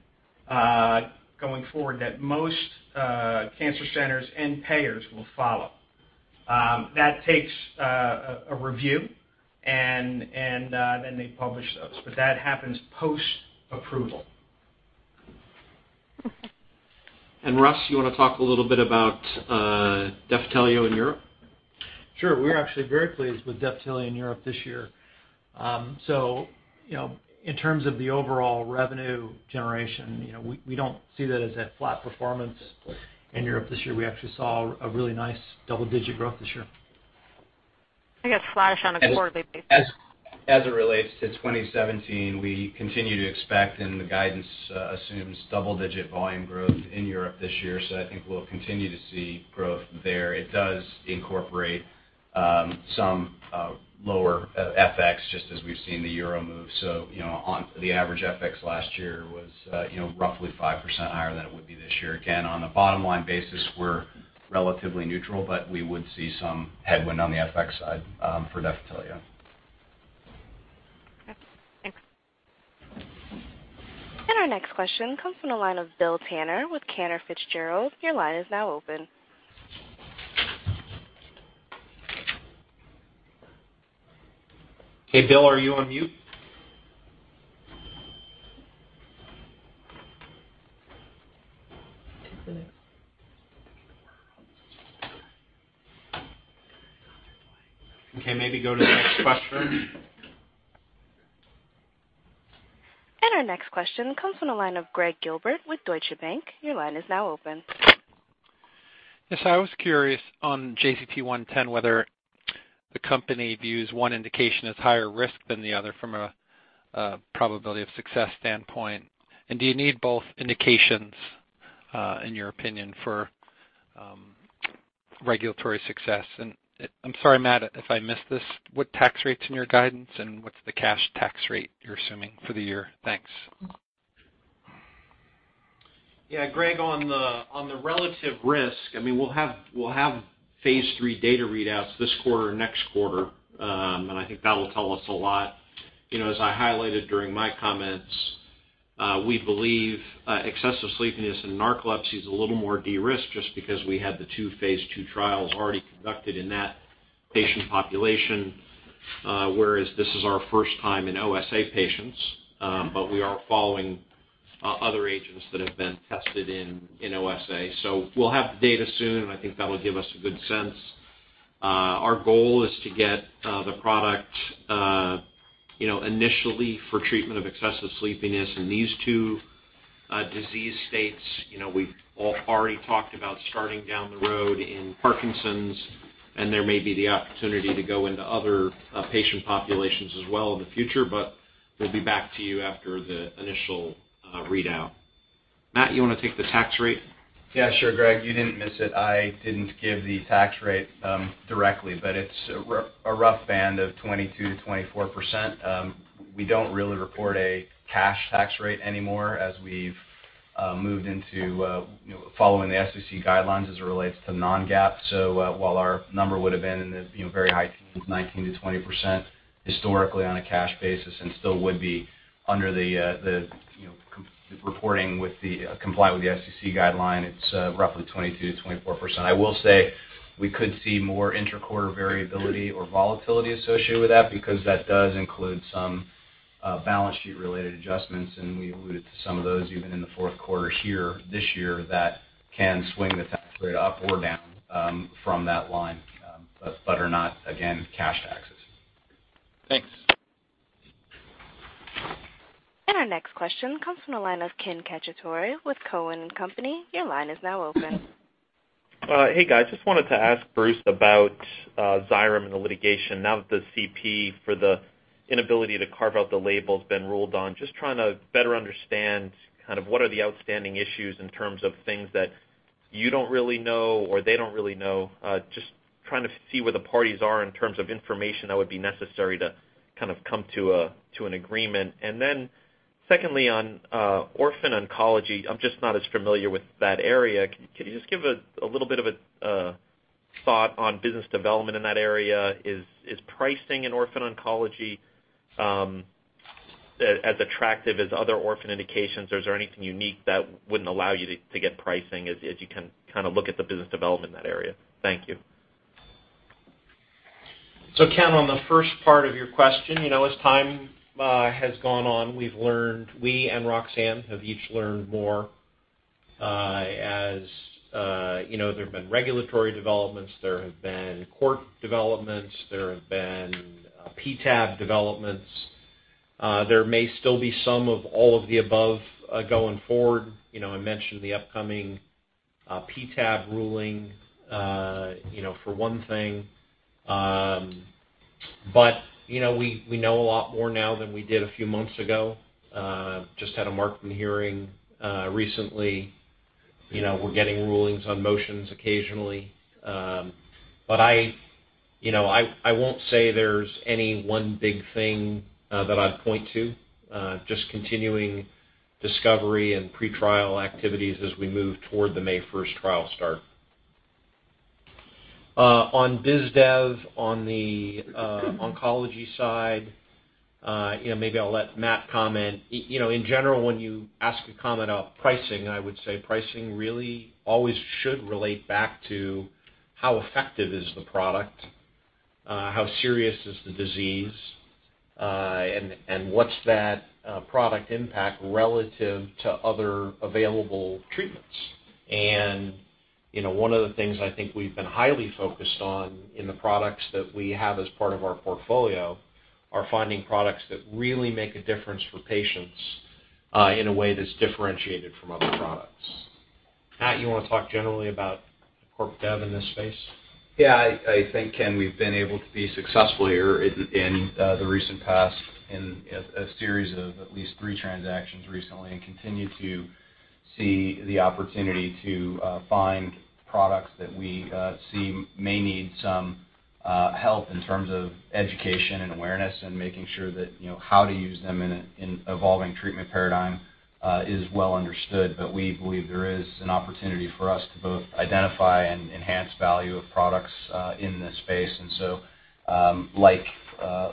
going forward that most cancer centers and payers will follow. That takes a review and then they publish those, but that happens post-approval. Russ, you wanna talk a little bit about Defitelio in Europe? Sure. We're actually very pleased with Defitelio in Europe this year. You know, in terms of the overall revenue generation, you know, we don't see that as a flat performance in Europe this year. We actually saw a really nice double-digit growth this year. I guess flash on a quarterly basis. As it relates to 2017, we continue to expect, and the guidance assumes double-digit volume growth in Europe this year. I think we'll continue to see growth there. It does incorporate some lower FX just as we've seen the euro move. You know, on the average FX last year was you know, roughly 5% higher than it would be this year. Again, on a bottom line basis, we're relatively neutral, but we would see some headwind on the FX side for Defitelio. Okay. Thanks. Our next question comes from the line of Bill Tanner with Cantor Fitzgerald. Your line is now open. Hey, Bill, are you on mute? Okay, maybe go to the next question. Our next question comes from the line of Gregg Gilbert with Deutsche Bank. Your line is now open. Yes, I was curious on JZP-110, whether the company views one indication as higher risk than the other from a probability of success standpoint. Do you need both indications, in your opinion, for regulatory success? I'm sorry, Matt, if I missed this, what tax rates in your guidance, and what's the cash tax rate you're assuming for the year? Thanks. Yeah, Gregg, on the relative risk, I mean, we'll have Phase 3 data readouts this quarter, next quarter. I think that will tell us a lot. You know, as I highlighted during my comments, we believe excessive sleepiness and narcolepsy is a little more de-risked just because we had the two phase 2 trials already conducted in that patient population. Whereas this is our first time in OSA patients, but we are following other agents that have been tested in OSA. We'll have the data soon, and I think that will give us a good sense. Our goal is to get the product, you know, initially for treatment of excessive sleepiness in these two disease states. You know, we've all already talked about starting down the road in Parkinson's, and there may be the opportunity to go into other patient populations as well in the future, but we'll be back to you after the initial readout. Matt, you wanna take the tax rate? Yeah, sure. Greg, you didn't miss it. I didn't give the tax rate directly, but it's a rough band of 22%-24%. We don't really report a cash tax rate anymore as we've moved into you know, following the SEC guidelines as it relates to non-GAAP. While our number would have been in the, you know, very high teens, 19%-20% historically on a cash basis and still would be under the, you know, comply with the SEC guideline, it's roughly 22%-24%. I will say we could see more interquarter variability or volatility associated with that because that does include some balance sheet related adjustments, and we alluded to some of those even in the fourth quarter here this year that can swing the tax rate up or down from that line, but are not, again, cash taxes. Thanks. Our next question comes from the line of Ken Cacciatore with Cowen and Company. Your line is now open. Hey, guys. Just wanted to ask Bruce about Xyrem and the litigation now that the PTAB for the inability to carve out the label has been ruled on. Just trying to better understand kind of what are the outstanding issues in terms of things that you don't really know or they don't really know, just trying to see where the parties are in terms of information that would be necessary to kind of come to an agreement. Then secondly, on orphan oncology, I'm just not as familiar with that area. Can you just give a little bit of a thought on business development in that area? Is pricing in orphan oncology as attractive as other orphan indications, or is there anything unique that wouldn't allow you to get pricing as you can kind of look at the business development in that area? Thank you. Ken, on the first part of your question, you know, as time has gone on, we've learned, we and Roxane have each learned more, you know, there have been regulatory developments, there have been court developments, there have been PTAB developments. There may still be some of all of the above going forward. You know, I mentioned the upcoming PTAB ruling, you know, for one thing. But, you know, we know a lot more now than we did a few months ago. Just had a Markman hearing recently. You know, we're getting rulings on motions occasionally. But I, you know, I won't say there's any one big thing that I'd point to. Just continuing discovery and pretrial activities as we move toward the May first trial start. On biz dev, on the oncology side, you know, maybe I'll let Matt comment. You know, in general, when you ask a comment on pricing, I would say pricing really always should relate back to how effective is the product, how serious is the disease, and what's that product impact relative to other available treatments. You know, one of the things I think we've been highly focused on in the products that we have as part of our portfolio are finding products that really make a difference for patients, in a way that's differentiated from other products. Matt, you wanna talk generally about corp dev in this space? Yeah. I think, Ken, we've been able to be successful here in the recent past in a series of at least three transactions recently and continue to see the opportunity to find products that we see may need some help in terms of education and awareness and making sure that, you know, how to use them in an evolving treatment paradigm is well understood. We believe there is an opportunity for us to both identify and enhance value of products in this space.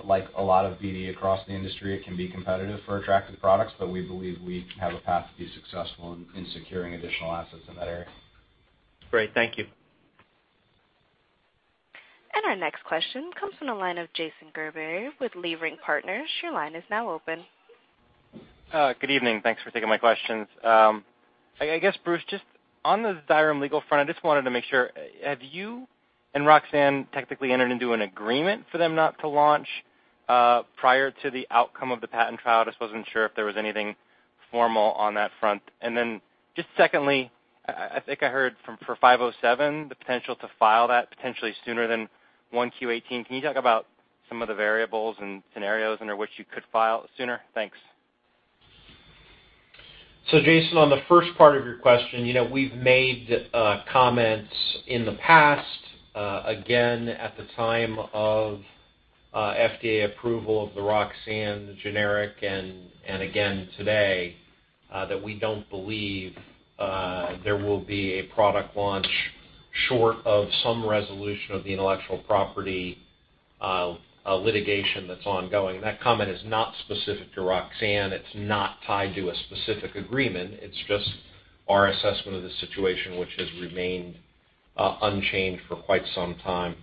Like a lot of BD across the industry, it can be competitive for attractive products, but we believe we have a path to be successful in securing additional assets in that area. Great. Thank you. Our next question comes from the line of Jason Gerberry with Leerink Partners. Your line is now open. Good evening. Thanks for taking my questions. I guess, Bruce, just on the Xyrem legal front, I just wanted to make sure, have you and Roxane technically entered into an agreement for them not to launch prior to the outcome of the patent trial? I just wasn't sure if there was anything formal on that front. Just secondly, I think I heard for 507, the potential to file that potentially sooner than 1Q18. Can you talk about some of the variables and scenarios under which you could file sooner? Thanks. Jason, on the first part of your question, you know, we've made comments in the past, again at the time of FDA approval of the Roxane generic and again today, that we don't believe there will be a product launch short of some resolution of the intellectual property litigation that's ongoing. That comment is not specific to Roxane. It's not tied to a specific agreement. It's just our assessment of the situation, which has remained unchanged for quite some time.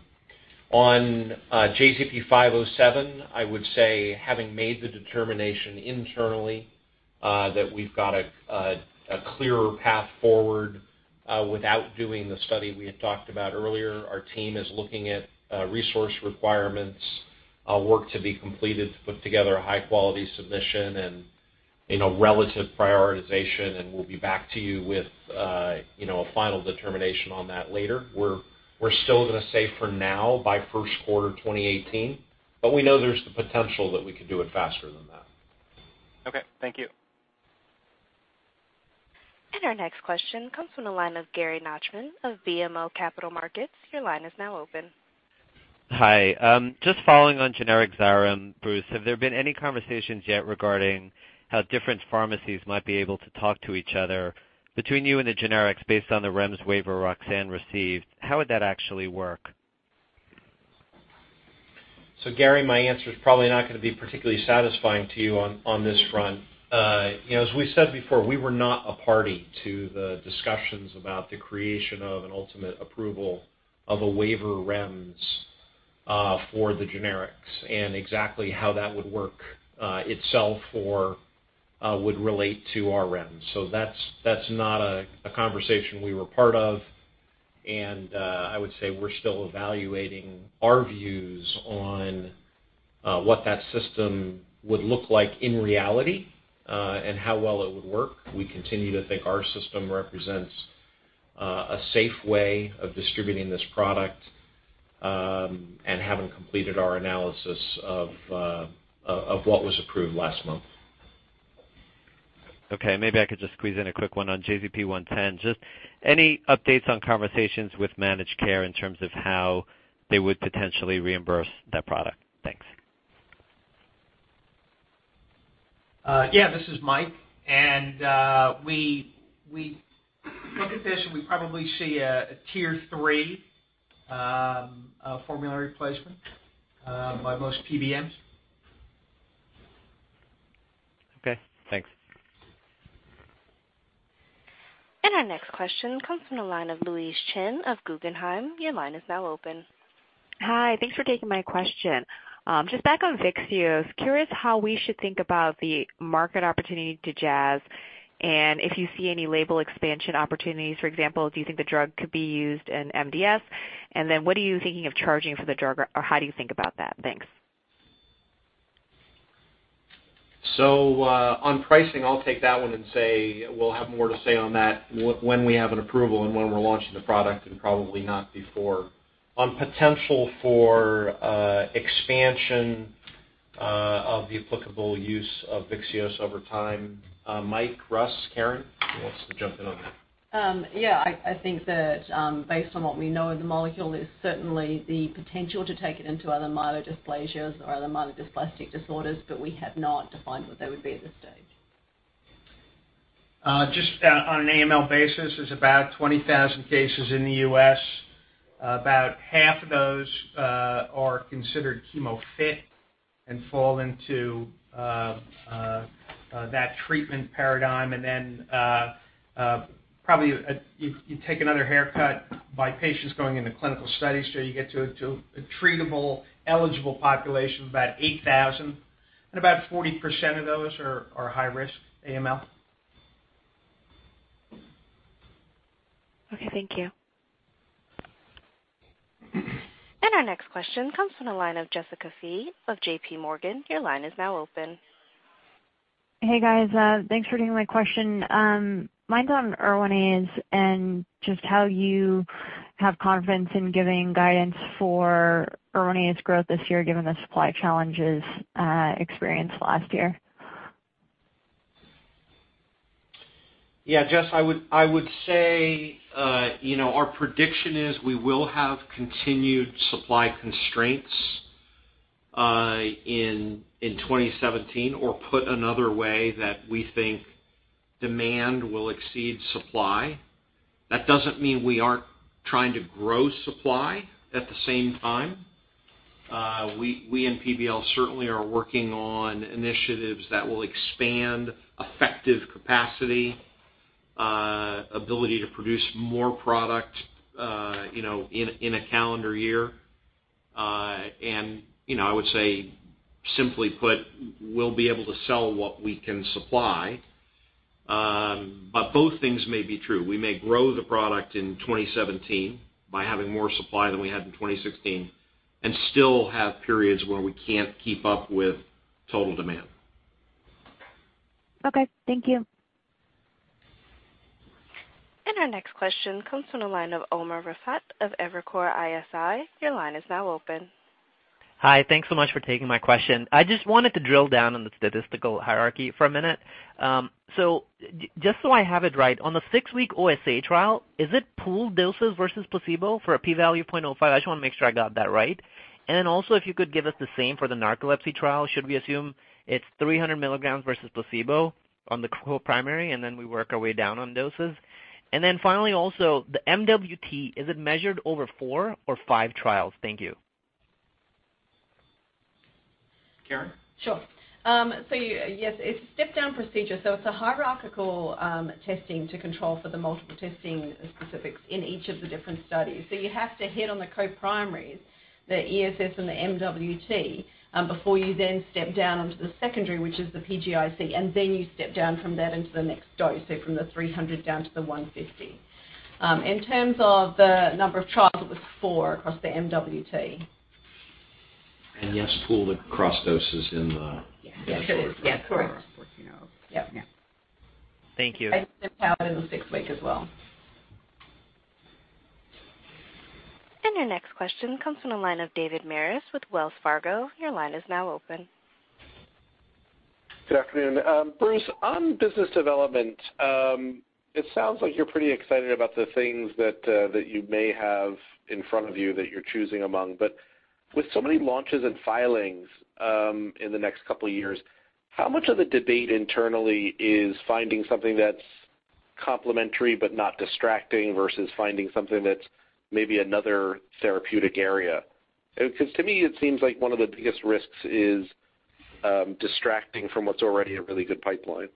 On JZP-507, I would say having made the determination internally that we've got a clearer path forward without doing the study we had talked about earlier. Our team is looking at resource requirements, work to be completed to put together a high-quality submission and, you know, relative prioritization, and we'll be back to you with, you know, a final determination on that later. We're still gonna say for now by first quarter 2018, but we know there's the potential that we could do it faster than that. Okay. Thank you. Our next question comes from the line of Gary Nachman of BMO Capital Markets. Your line is now open. Hi. Just following on generic Xyrem, Bruce, have there been any conversations yet regarding how different pharmacies might be able to talk to each other between you and the generics based on the REMS waiver Roxane received? How would that actually work? Gary, my answer is probably not gonna be particularly satisfying to you on this front. You know, as we said before, we were not a party to the discussions about the creation of an ultimate approval of a waiver REMS for the generics and exactly how that would work itself or would relate to our REMS. That's not a conversation we were part of, and I would say we're still evaluating our views on what that system would look like in reality and how well it would work. We continue to think our system represents a safe way of distributing this product and haven't completed our analysis of what was approved last month. Okay. Maybe I could just squeeze in a quick one on JZP-110. Just any updates on conversations with managed care in terms of how they would potentially reimburse that product? Thanks. Yeah. This is Mike. We look at this, and we probably see a Tier 3 formulary placement by most PBMs. Okay. Thanks. Our next question comes from the line of Louise Chen of Guggenheim. Your line is now open. Hi. Thanks for taking my question. Just back on VYXEOS, curious how we should think about the market opportunity to Jazz and if you see any label expansion opportunities. For example, do you think the drug could be used in MDS? And then what are you thinking of charging for the drug, or how do you think about that? Thanks. On pricing, I'll take that one and say we'll have more to say on that when we have an approval and when we're launching the product and probably not before. On potential for expansion of the applicable use of VYXEOS over time. Mike, Russ, Karen, who wants to jump in on that? Yeah, I think that based on what we know of the molecule, there's certainly the potential to take it into other myelodysplasias or other myelodysplastic disorders, but we have not defined what they would be at this stage. Just on an AML basis, there's about 20,000 cases in the U.S. About half of those are considered chemo fit and fall into that treatment paradigm. Probably you take another haircut by patients going into clinical studies till you get to a treatable eligible population of about 8,000, and about 40% of those are high risk AML. Okay, thank you. Our next question comes from the line of Jessica Fye of J.P. Morgan, your line is now open. Hey, guys. Thanks for taking my question. Mine's on Erwinaze and just how you have confidence in giving guidance for Erwinaze growth this year given the supply challenges experienced last year. Yeah. Jess, I would say, you know, our prediction is we will have continued supply constraints in 2017, or put another way that we think demand will exceed supply. That doesn't mean we aren't trying to grow supply at the same time. We in PBL certainly are working on initiatives that will expand effective capacity, ability to produce more product, you know, in a calendar year. And you know, I would say, simply put, we'll be able to sell what we can supply. But both things may be true. We may grow the product in 2017 by having more supply than we had in 2016 and still have periods where we can't keep up with total demand. Okay. Thank you. Our next question comes from the line of Umer Raffat of Evercore ISI. Your line is now open. Hi. Thanks so much for taking my question. I just wanted to drill down on the statistical hierarchy for a minute. Just so I have it right, on the 6-week OSA trial, is it pooled doses versus placebo for a p value 0.05? I just wanna make sure I got that right. If you could give us the same for the narcolepsy trial, should we assume it's 300 milligrams versus placebo on the co-primary, and then we work our way down on doses? The MWT, is it measured over 4 or 5 trials? Thank you. Karen? Sure. Yes, it's a step-down procedure, it's a hierarchical testing to control for the multiple testing specifics in each of the different studies. You have to hit on the co-primaries, the ESS and the MWT, before you then step down onto the secondary, which is the PGIC, and then you step down from that into the next dose, so from the 300 down to the 150. In terms of the number of trials, it was four across the MWT. Yes, pooled across doses in the- Yeah. Yes, of course. Yeah. Thank you. Step down in the sixth week as well. Your next question comes from the line of David Maris with Wells Fargo. Your line is now open. Good afternoon. Bruce, on business development, it sounds like you're pretty excited about the things that you may have in front of you that you're choosing among. With so many launches and filings in the next couple of years, how much of the debate internally is finding something that's complementary but not distracting versus finding something that's maybe another therapeutic area? 'Cause to me it seems like one of the biggest risks is distracting from what's already a really good pipeline.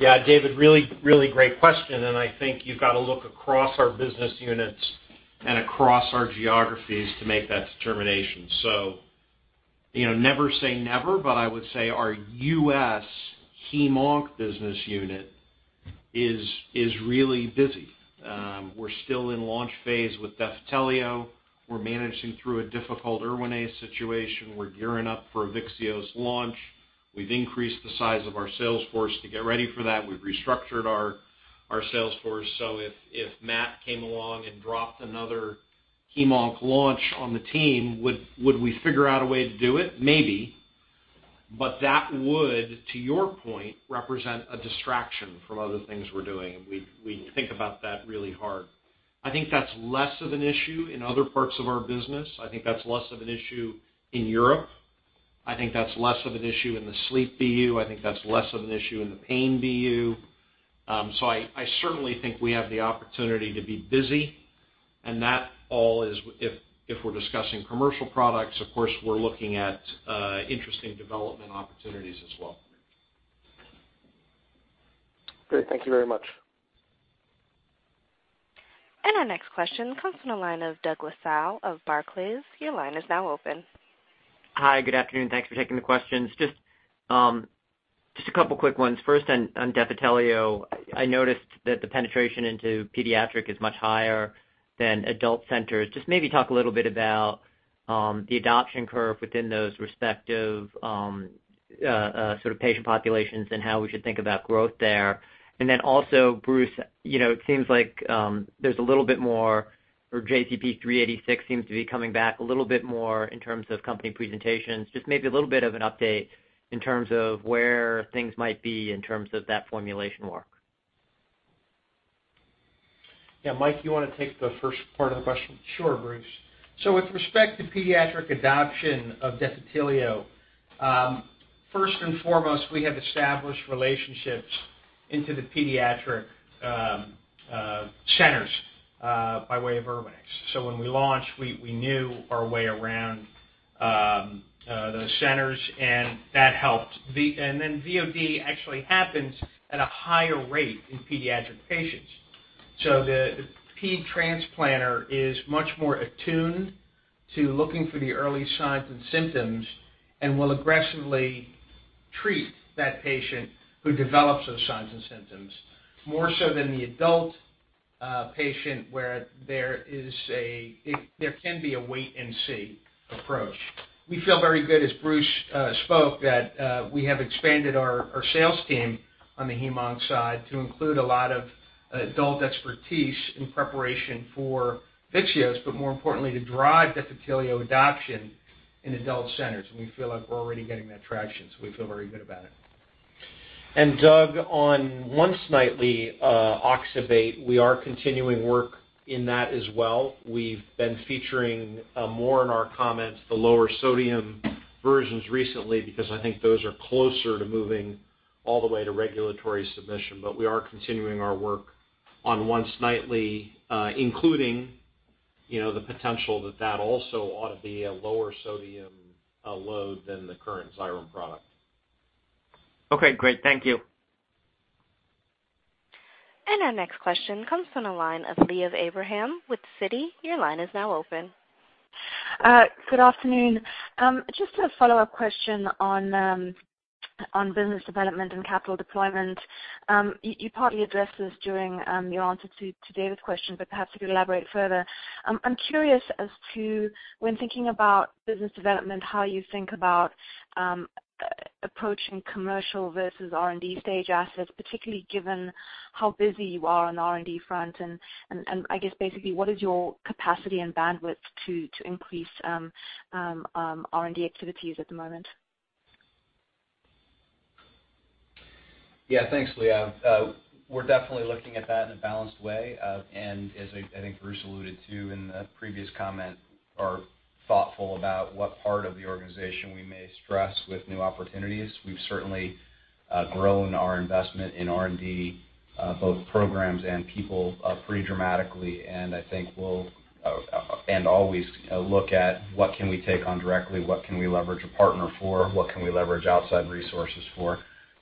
Yeah, David, really, really great question, and I think you've got to look across our business units and across our geographies to make that determination. You know, never say never, but I would say our U.S. hemonc business unit is really busy. We're still in launch phase with Defitelio. We're managing through a difficult Erwinaze situation. We're gearing up for VYXEOS launch. We've increased the size of our sales force to get ready for that. We've restructured our sales force. If Matt came along and dropped another hemonc launch on the team, would we figure out a way to do it? Maybe. But that would, to your point, represent a distraction from other things we're doing, and we'd think about that really hard. I think that's less of an issue in other parts of our business. I think that's less of an issue in Europe. I think that's less of an issue in the Sleep BU. I think that's less of an issue in the Pain BU. So I certainly think we have the opportunity to be busy, and that all is if we're discussing commercial products. Of course, we're looking at interesting development opportunities as well. Great. Thank you very much. Our next question comes from the line of Douglas Tsao of Barclays. Your line is now open. Hi. Good afternoon. Thanks for taking the questions. Just a couple quick ones. First, on Defitelio, I noticed that the penetration into pediatric is much higher than adult centers. Just maybe talk a little bit about the adoption curve within those respective sort of patient populations and how we should think about growth there. Then also, Bruce, you know, it seems like there's a little bit more. Or JZP-386 seems to be coming back a little bit more in terms of company presentations. Just maybe a little bit of an update in terms of where things might be in terms of that formulation work. Yeah, Mike, you wanna take the first part of the question? Sure, Bruce. With respect to pediatric adoption of Defitelio, first and foremost, we have established relationships into the pediatric centers by way of our MSLs. When we launched, we knew our way around those centers, and that helped. VOD actually happens at a higher rate in pediatric patients. The pediatric transplanter is much more attuned to looking for the early signs and symptoms, and will aggressively treat that patient who develops those signs and symptoms, more so than the adult patient, where there can be a wait-and-see approach. We feel very good, as Bruce spoke, that we have expanded our sales team on the hem-onc side to include a lot of adult expertise in preparation for VYXEOS, but more importantly, to drive Defitelio adoption in adult centers. We feel like we're already getting that traction, so we feel very good about it. Doug, on once-nightly oxybate, we are continuing work in that as well. We've been featuring more in our comments the lower sodium versions recently because I think those are closer to moving all the way to regulatory submission. We are continuing our work on once-nightly, including, you know, the potential that that also ought to be a lower sodium load than the current Xyrem product. Okay, great. Thank you. Our next question comes from the line of Liav Abraham with Citi. Your line is now open. Good afternoon. Just a follow-up question on business development and capital deployment. You partly addressed this during your answer to David's question, but perhaps if you could elaborate further. I'm curious as to, when thinking about business development, how you think about approaching commercial versus R&D stage assets, particularly given how busy you are on the R&D front, and I guess basically what is your capacity and bandwidth to increase R&D activities at the moment? Yeah. Thanks, Liav. We're definitely looking at that in a balanced way, and as I think Bruce alluded to in the previous comment, are thoughtful about what part of the organization we may stress with new opportunities. We've certainly grown our investment in R&D, both programs and people, pretty dramatically. I think we'll always look at what can we take on directly, what can we leverage a partner for, what can we leverage outside resources for.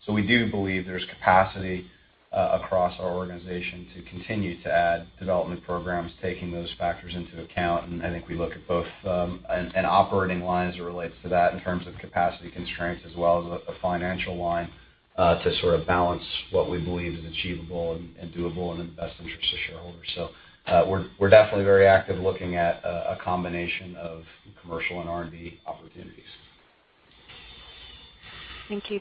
We do believe there's capacity across our organization to continue to add development programs, taking those factors into account. I think we look at both and operating lines as it relates to that in terms of capacity constraints as well as a financial line to sort of balance what we believe is achievable and doable in the best interest of shareholders. We're definitely very active looking at a combination of commercial and R&D opportunities. Thank you.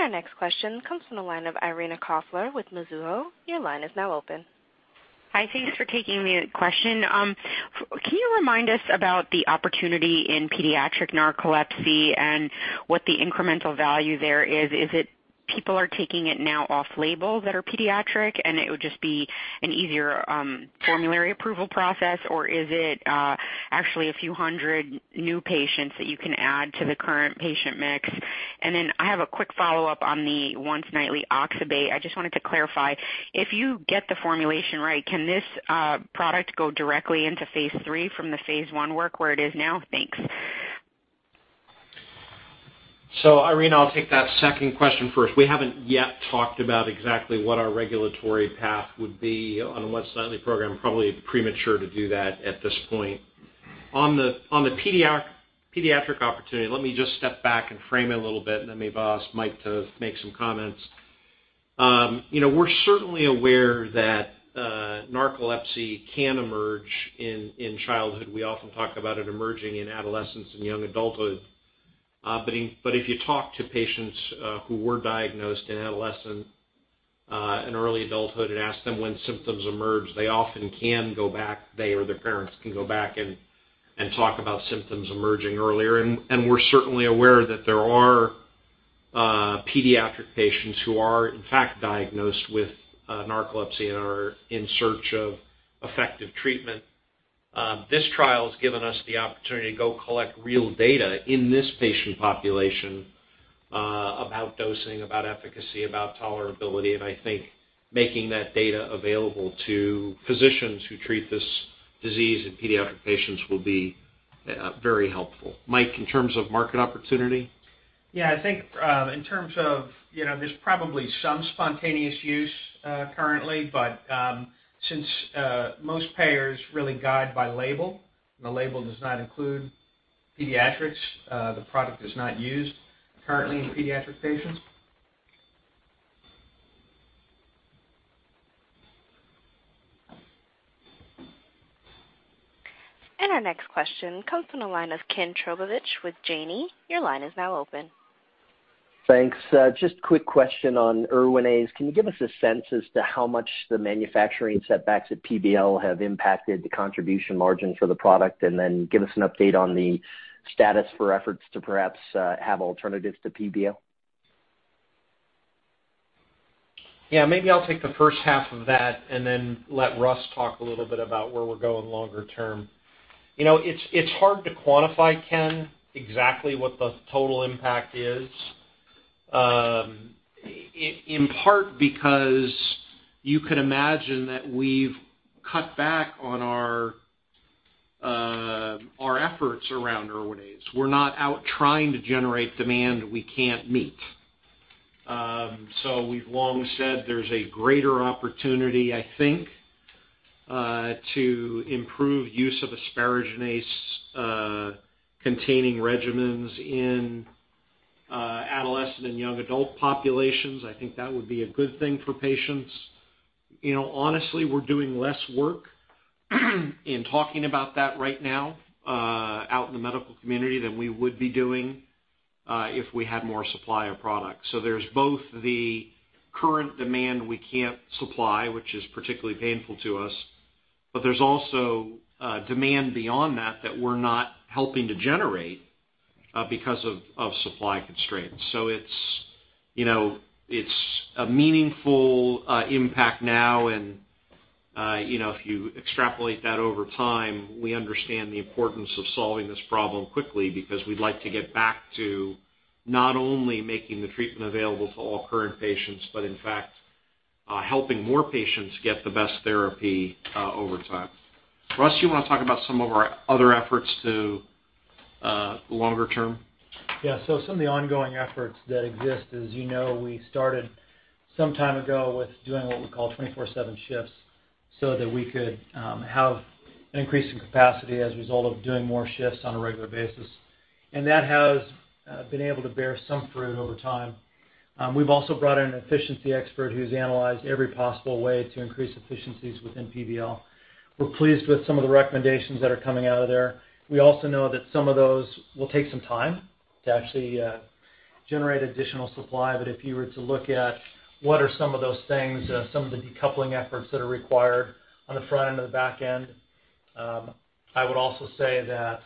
Our next question comes from the line of Irina Koffler with Mizuho. Your line is now open. Hi. Thanks for taking the question. Can you remind us about the opportunity in pediatric narcolepsy and what the incremental value there is? Is it people are taking it now off label that are pediatric, and it would just be an easier formulary approval process, or is it actually a few hundred new patients that you can add to the current patient mix? I have a quick follow-up on the once-nightly oxybate. I just wanted to clarify, if you get the formulation right, can this product go directly into phase 3 from the phase 1 work where it is now? Thanks. Irina, I'll take that second question first. We haven't yet talked about exactly what our regulatory path would be on a once-nightly program, probably premature to do that at this point. On the pediatric opportunity, let me just step back and frame it a little bit and then maybe I'll ask Mike to make some comments. You know, we're certainly aware that narcolepsy can emerge in childhood. We often talk about it emerging in adolescence and young adulthood. But if you talk to patients who were diagnosed in adolescence and early adulthood and ask them when symptoms emerged, they often can go back, they or their parents can go back and talk about symptoms emerging earlier. We're certainly aware that there are pediatric patients who are in fact diagnosed with narcolepsy and are in search of effective treatment. This trial has given us the opportunity to go collect real data in this patient population about dosing, about efficacy, about tolerability, and I think making that data available to physicians who treat this disease in pediatric patients will be very helpful. Mike, in terms of market opportunity? Yeah, I think, in terms of, you know, there's probably some spontaneous use, currently, but, since, most payers really guide by label, and the label does not include pediatrics, the product is not used currently in pediatric patients. Our next question comes from the line of Ken Trbovich with Janney. Your line is now open. Thanks. Just quick question on Erwinaze. Can you give us a sense as to how much the manufacturing setbacks at PBL have impacted the contribution margin for the product? Give us an update on the status for efforts to perhaps have alternatives to PBL. Yeah, maybe I'll take the first half of that and then let Russ talk a little bit about where we're going longer term. You know, it's hard to quantify, Ken, exactly what the total impact is. In part because you can imagine that we've cut back on our efforts around Erwinaze. We're not out trying to generate demand we can't meet. We've long said there's a greater opportunity, I think, to improve use of asparaginase containing regimens in adolescent and young adult populations. I think that would be a good thing for patients. You know, honestly, we're doing less work in talking about that right now out in the medical community than we would be doing if we had more supply of product. There's both the current demand we can't supply, which is particularly painful to us, but there's also demand beyond that that we're not helping to generate because of supply constraints. So it's, you know, it's a meaningful impact now. And you know, if you extrapolate that over time, we understand the importance of solving this problem quickly because we'd like to get back to not only making the treatment available to all current patients, but in fact helping more patients get the best therapy over time. Russ, you wanna talk about some of our other efforts to longer term? Yeah. Some of the ongoing efforts that exist, as you know, we started some time ago with doing what we call 24/7 shifts so that we could have an increase in capacity as a result of doing more shifts on a regular basis. That has been able to bear some fruit over time. We've also brought in an efficiency expert who's analyzed every possible way to increase efficiencies within PBL. We're pleased with some of the recommendations that are coming out of there. We also know that some of those will take some time to actually generate additional supply. If you were to look at what are some of those things, some of the decoupling efforts that are required on the front end and the back end, I would also say that,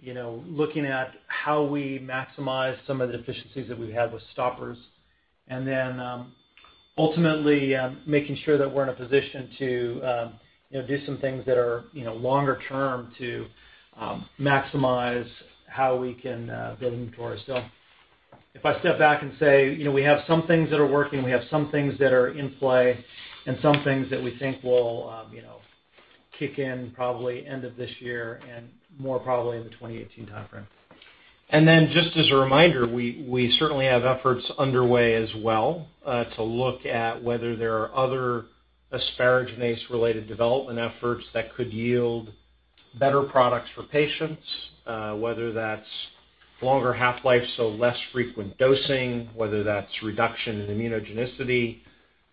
you know, looking at how we maximize some of the efficiencies that we've had with stoppers and then, ultimately, making sure that we're in a position to, you know, do some things that are, you know, longer term to, maximize how we can, build inventory. If I step back and say, you know, we have some things that are working, we have some things that are in play and some things that we think will, you know, kick in probably end of this year and more probably in the 2018 timeframe. Just as a reminder, we certainly have efforts underway as well to look at whether there are other asparaginase related development efforts that could yield better products for patients, whether that's longer half-life, so less frequent dosing, whether that's reduction in immunogenicity,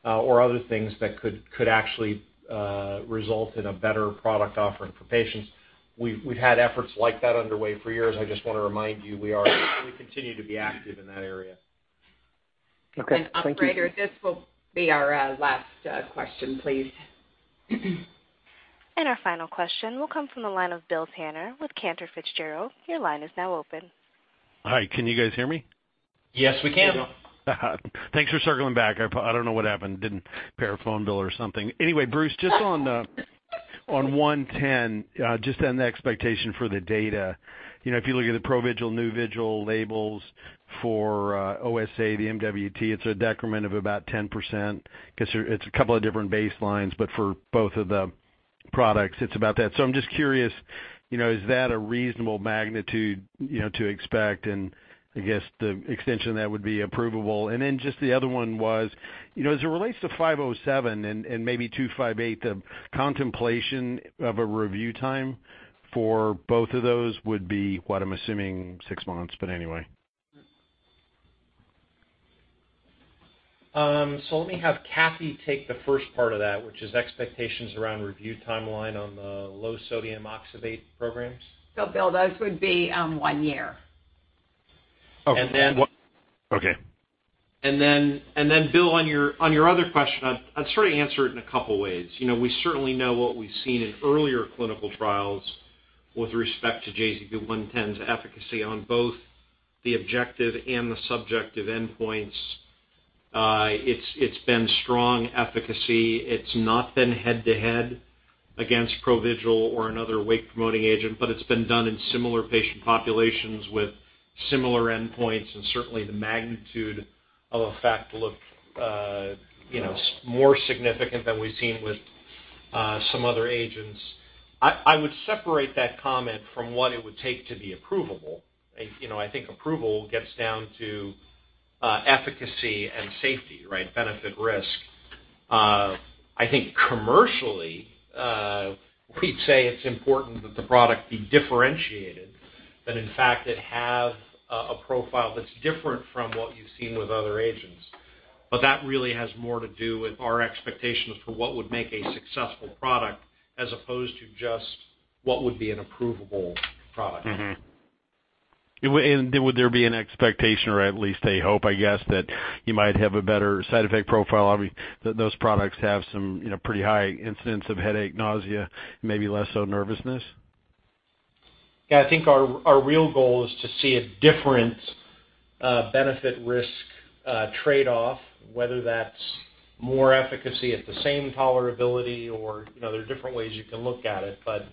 or other things that could actually result in a better product offering for patients. We've had efforts like that underway for years. I just wanna remind you we continue to be active in that area. Okay. Thank you. Operator, this will be our last question please. Our final question will come from the line of Bill Tanner with Cantor Fitzgerald. Your line is now open. Hi. Can you guys hear me? Yes, we can. Yeah. Thanks for circling back. I don't know what happened. Didn't pay our phone bill or something. Anyway, Bruce, just on JZP-110, just on the expectation for the data. You know, if you look at the Provigil, Nuvigil labels for OSA, the MWT, it's a decrement of about 10% 'cause it's a couple of different baselines, but for both of the products, it's about that. So I'm just curious, you know, is that a reasonable magnitude, you know, to expect? And I guess the extension of that would be approvable. Then just the other one was, you know, as it relates to JZP-507 and maybe JZP-258, the contemplation of a review time for both of those would be what I'm assuming six months, but anyway. Let me have Kathee take the first part of that, which is expectations around review timeline on the low sodium oxybate programs. Bill, those would be one year. And then- Okay. Bill, on your other question, I'd sort of answer it in a couple ways. You know, we certainly know what we've seen in earlier clinical trials with respect to JZP-110's efficacy on both the objective and the subjective endpoints. It's been strong efficacy. It's not been head-to-head against Provigil or another wake-promoting agent, but it's been done in similar patient populations with similar endpoints, and certainly the magnitude of effect looked you know more significant than we've seen with some other agents. I would separate that comment from what it would take to be approvable. You know, I think approval gets down to efficacy and safety, right? Benefit, risk. I think commercially, we'd say it's important that the product be differentiated, that in fact it have a profile that's different from what you've seen with other agents. That really has more to do with our expectations for what would make a successful product as opposed to just what would be an approvable product. Would there be an expectation or at least a hope, I guess, that you might have a better side effect profile? I mean, those products have some, you know, pretty high incidence of headache, nausea, maybe less so nervousness. Yeah. I think our real goal is to see a different benefit risk trade-off, whether that's more efficacy at the same tolerability or, you know, there are different ways you can look at it, but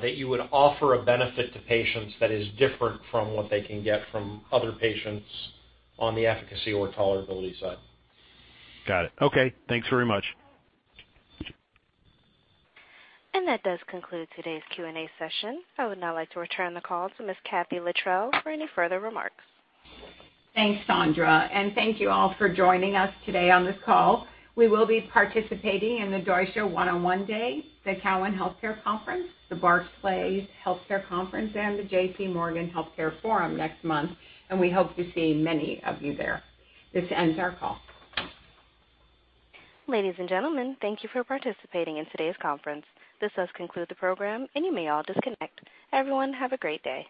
that you would offer a benefit to patients that is different from what they can get from other patients on the efficacy or tolerability side. Got it. Okay. Thanks very much. That does conclude today's Q&A session. I would now like to return the call to Ms. Kathee Littrell for any further remarks. Thanks, Sandra, and thank you all for joining us today on this call. We will be participating in the Deutsche one-on-one day, the Cowen Healthcare Conference, the Barclays Healthcare Conference, and the J.P. Morgan Healthcare Conference next month, and we hope to see many of you there. This ends our call. Ladies and gentlemen, thank you for participating in today's conference. This does conclude the program, and you may all disconnect. Everyone, have a great day.